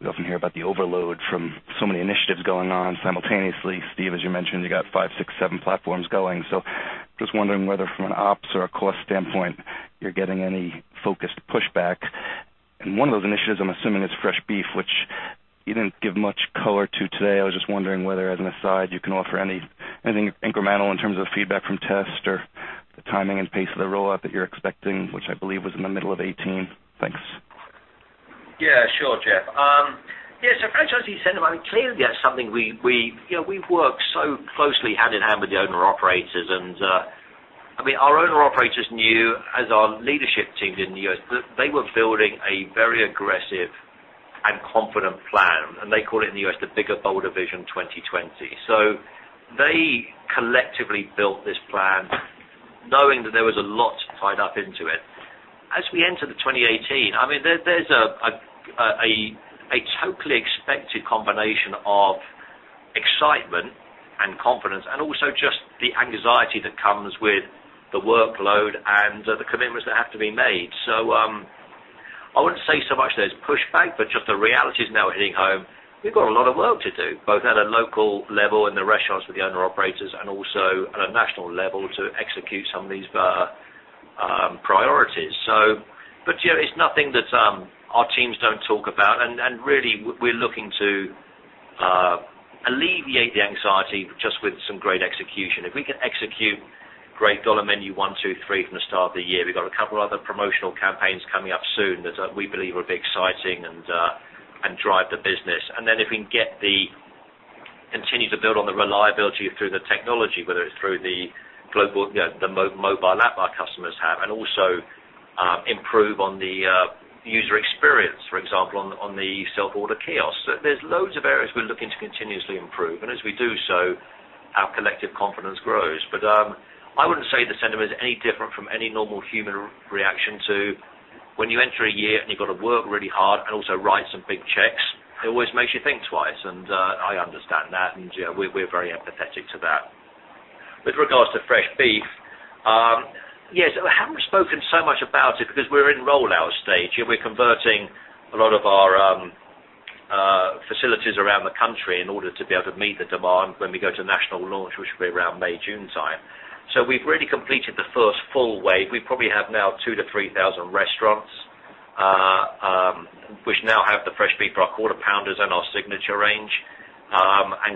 Speaker 11: We often hear about the overload from so many initiatives going on simultaneously. Steve, as you mentioned, you got five, six, seven platforms going. Just wondering whether from an ops or a cost standpoint, you're getting any focused pushback. And one of those initiatives, I'm assuming, is fresh beef, which you didn't give much color to today. I was just wondering whether, as an aside, you can offer anything incremental in terms of feedback from tests or the timing and pace of the rollout that you're expecting, which I believe was in the middle of 2018. Thanks.
Speaker 3: Sure, Jeff. Franchisee sentiment, clearly that's something we've worked so closely hand-in-hand with the owner-operators. Our owner-operators knew, as our leadership teams in the U.S., that they were building a very aggressive and confident plan, and they call it in the U.S. the Bigger Bolder Vision 2020. They collectively built this plan knowing that there was a lot tied up into it. As we enter 2018, there's a totally expected combination of excitement and confidence and also just the anxiety that comes with the workload and the commitments that have to be made. I wouldn't say so much there's pushback, but just the reality is now hitting home. We've got a lot of work to do, both at a local level in the restaurants with the owner-operators and also at a national level to execute some of these priorities. It's nothing that our teams don't talk about, and really, we're looking to alleviate the anxiety just with some great execution. If we can execute great $1 $2 $3 Dollar Menu from the start of the year, we've got a couple of other promotional campaigns coming up soon that we believe will be exciting and drive the business. If we can get the To build on the reliability through the technology, whether it's through the global mobile app our customers have, and also improve on the user experience, for example, on the self-order kiosks. There's loads of areas we're looking to continuously improve, and as we do so, our collective confidence grows. I wouldn't say the sentiment is any different from any normal human reaction to when you enter a year and you've got to work really hard and also write some big checks. It always makes you think twice, and I understand that, and we're very empathetic to that. With regards to fresh beef, yes, we haven't spoken so much about it because we're in rollout stage and we're converting a lot of our facilities around the country in order to be able to meet the demand when we go to national launch, which will be around May, June time. We've really completed the first full wave. We probably have now 2,000-3,000 restaurants, which now have the fresh beef for our Quarter Pounders and our signature range.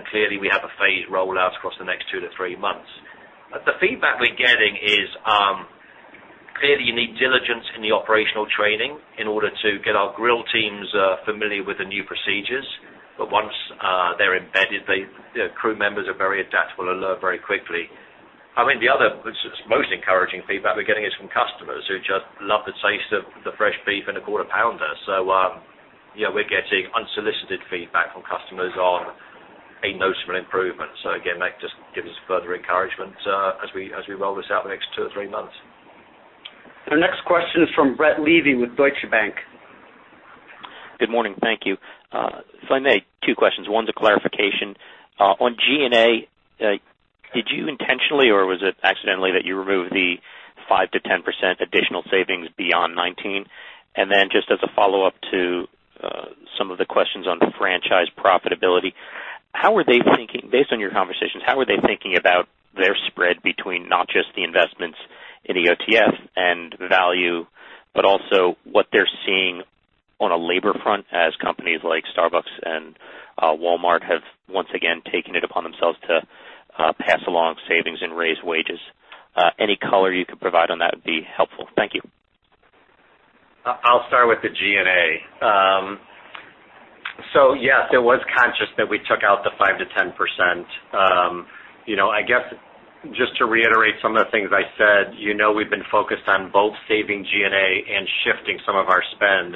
Speaker 3: Clearly we have a phased rollout across the next 2-3 months. The feedback we're getting is, clearly you need diligence in the operational training in order to get our grill teams familiar with the new procedures. Once they're embedded, the crew members are very adaptable and learn very quickly. I think the other most encouraging feedback we're getting is from customers who just love the taste of the fresh beef and the Quarter Pounder. We're getting unsolicited feedback from customers on a noticeable improvement. Again, that just gives us further encouragement as we roll this out the next two or three months.
Speaker 2: Our next question is from Brett Levy with Deutsche Bank.
Speaker 12: Good morning. Thank you. If I may, two questions, one's a clarification. On G&A, did you intentionally or was it accidentally that you removed the 5%-10% additional savings beyond 2019? Just as a follow-up to some of the questions on the franchise profitability, based on your conversations, how are they thinking about their spread between not just the investments in EOTF and value, but also what they're seeing on a labor front as companies like Starbucks and Walmart have once again taken it upon themselves to pass along savings and raise wages? Any color you could provide on that would be helpful. Thank you.
Speaker 4: I'll start with the G&A. Yes, it was conscious that we took out the 5%-10%. I guess just to reiterate some of the things I said, you know we've been focused on both saving G&A and shifting some of our spend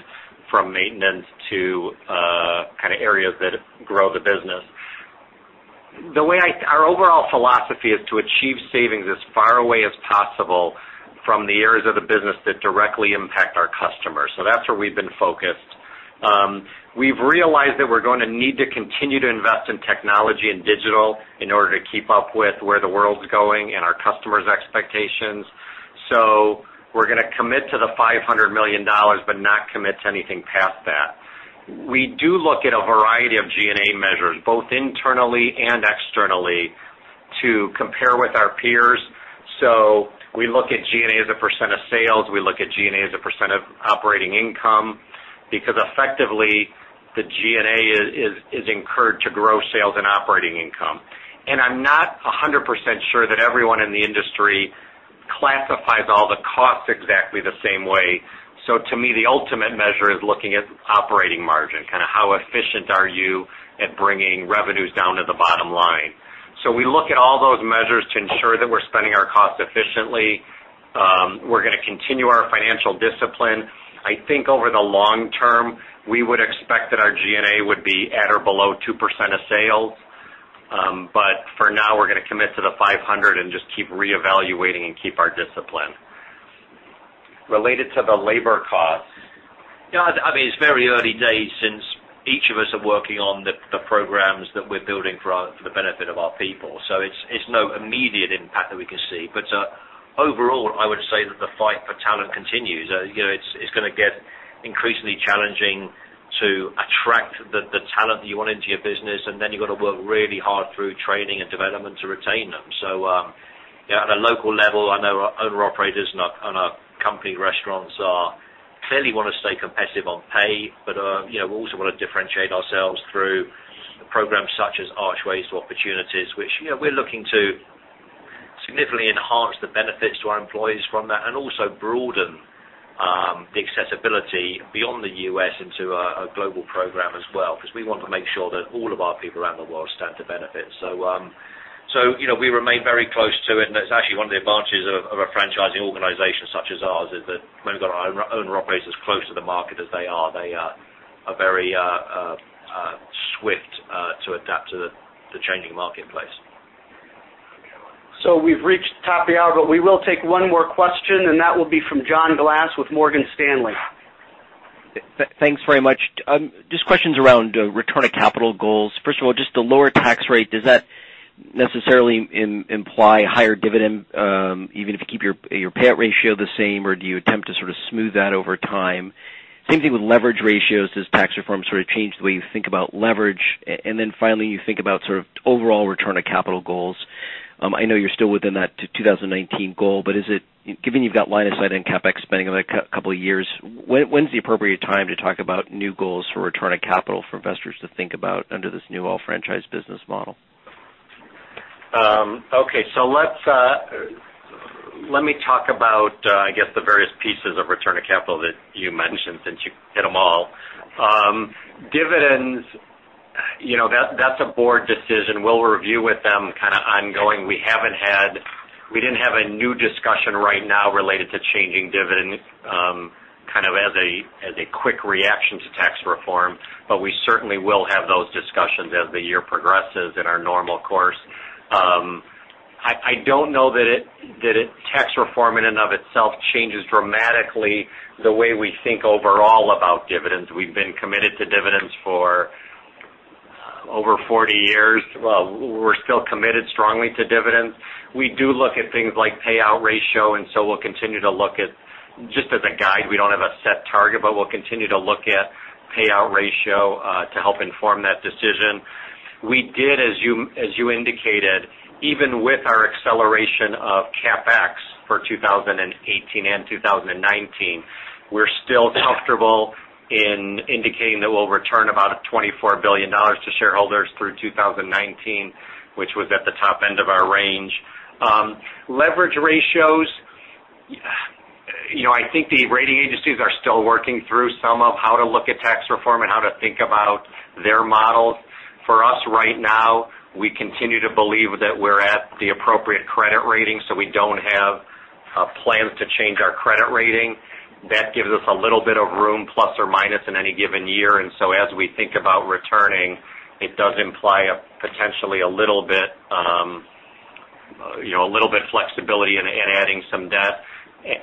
Speaker 4: from maintenance to areas that grow the business. Our overall philosophy is to achieve savings as far away as possible from the areas of the business that directly impact our customers. That's where we've been focused. We've realized that we're going to need to continue to invest in technology and digital in order to keep up with where the world's going and our customers' expectations. We're going to commit to the $500 million, but not commit to anything past that. We do look at a variety of G&A measures, both internally and externally, to compare with our peers. We look at G&A as a % of sales, we look at G&A as a % of operating income, because effectively, the G&A is incurred to grow sales and operating income. I'm not 100% sure that everyone in the industry classifies all the costs exactly the same way. To me, the ultimate measure is looking at operating margin, how efficient are you at bringing revenues down to the bottom line. We look at all those measures to ensure that we're spending our costs efficiently. We're going to continue our financial discipline. I think over the long term, we would expect that our G&A would be at or below 2% of sales. For now, we're going to commit to the 500 and just keep reevaluating and keep our discipline.
Speaker 3: Related to the labor costs. It's very early days since each of us are working on the programs that we're building for the benefit of our people. It's no immediate impact that we can see. Overall, I would say that the fight for talent continues. It's going to get increasingly challenging to attract the talent that you want into your business, and then you've got to work really hard through training and development to retain them. At a local level, I know our owner-operators and our company restaurants clearly want to stay competitive on pay, but we also want to differentiate ourselves through programs such as Archways to Opportunity. Which we're looking to significantly enhance the benefits to our employees from that and also broaden the accessibility beyond the U.S. into a global program as well, because we want to make sure that all of our people around the world stand to benefit. We remain very close to it, and it's actually one of the advantages of a franchising organization such as ours, is that when we've got our owner-operators as close to the market as they are, they are very swift to adapt to the changing marketplace.
Speaker 2: We've reached the top of the hour, but we will take one more question, and that will be from John Glass with Morgan Stanley.
Speaker 13: Thanks very much. Just questions around return of capital goals. First of all, just the lower tax rate, does that necessarily imply a higher dividend, even if you keep your payout ratio the same, or do you attempt to sort of smooth that over time? Same thing with leverage ratios. Does tax reform change the way you think about leverage? Finally, you think about overall return of capital goals. I know you're still within that 2019 goal, but given you've got line of sight on CapEx spending another couple of years, when's the appropriate time to talk about new goals for return of capital for investors to think about under this new all-franchise business model?
Speaker 4: Okay. Let me talk about, I guess, the various pieces of return of capital that you mentioned, since you hit them all. Dividends, that's a board decision. We'll review with them kind of ongoing. We didn't have a new discussion right now related to changing dividend as a quick reaction to tax reform. We certainly will have those discussions as the year progresses in our normal course. I don't know that tax reform in and of itself changes dramatically the way we think overall about dividends. We've been committed to dividends for over 40 years. We're still committed strongly to dividends. We do look at things like payout ratio, we'll continue to look at, just as a guide, we don't have a set target, we'll continue to look at payout ratio to help inform that decision. We did, as you indicated, even with our acceleration of CapEx for 2018 and 2019, we're still comfortable in indicating that we'll return about $24 billion to shareholders through 2019, which was at the top end of our range. Leverage ratios, I think the rating agencies are still working through some of how to look at tax reform and how to think about their models. For us right now, we continue to believe that we're at the appropriate credit rating, we don't have plans to change our credit rating. That gives us a little bit of room, plus or minus, in any given year. As we think about returning, it does imply potentially a little bit flexibility in adding some debt.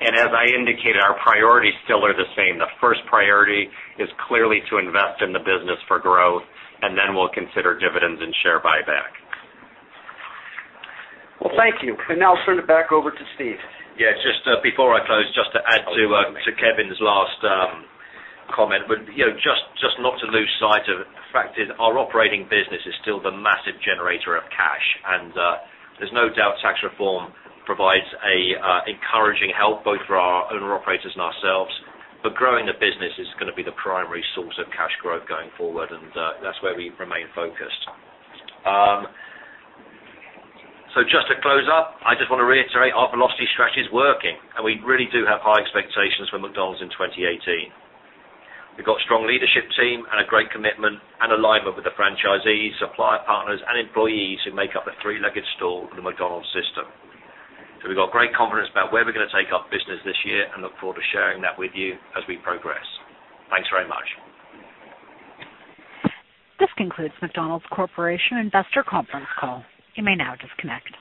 Speaker 4: As I indicated, our priorities still are the same. The first priority is clearly to invest in the business for growth, we'll consider dividends and share buyback.
Speaker 2: Well, thank you. Now I'll turn it back over to Steve.
Speaker 3: Yeah, just before I close, just to add to Kevin's last comment. Just not to lose sight of the fact that our operating business is still the massive generator of cash. There's no doubt tax reform provides an encouraging help both for our owner operators and ourselves. Growing the business is going to be the primary source of cash growth going forward, and that's where we remain focused. Just to close up, I just want to reiterate our Velocity strategy is working, and we really do have high expectations for McDonald's in 2018. We've got a strong leadership team and a great commitment and alignment with the franchisees, supplier partners, and employees who make up the three-legged stool of the McDonald's system. We've got great confidence about where we're going to take our business this year and look forward to sharing that with you as we progress. Thanks very much.
Speaker 1: This concludes McDonald's Corporation investor conference call. You may now disconnect.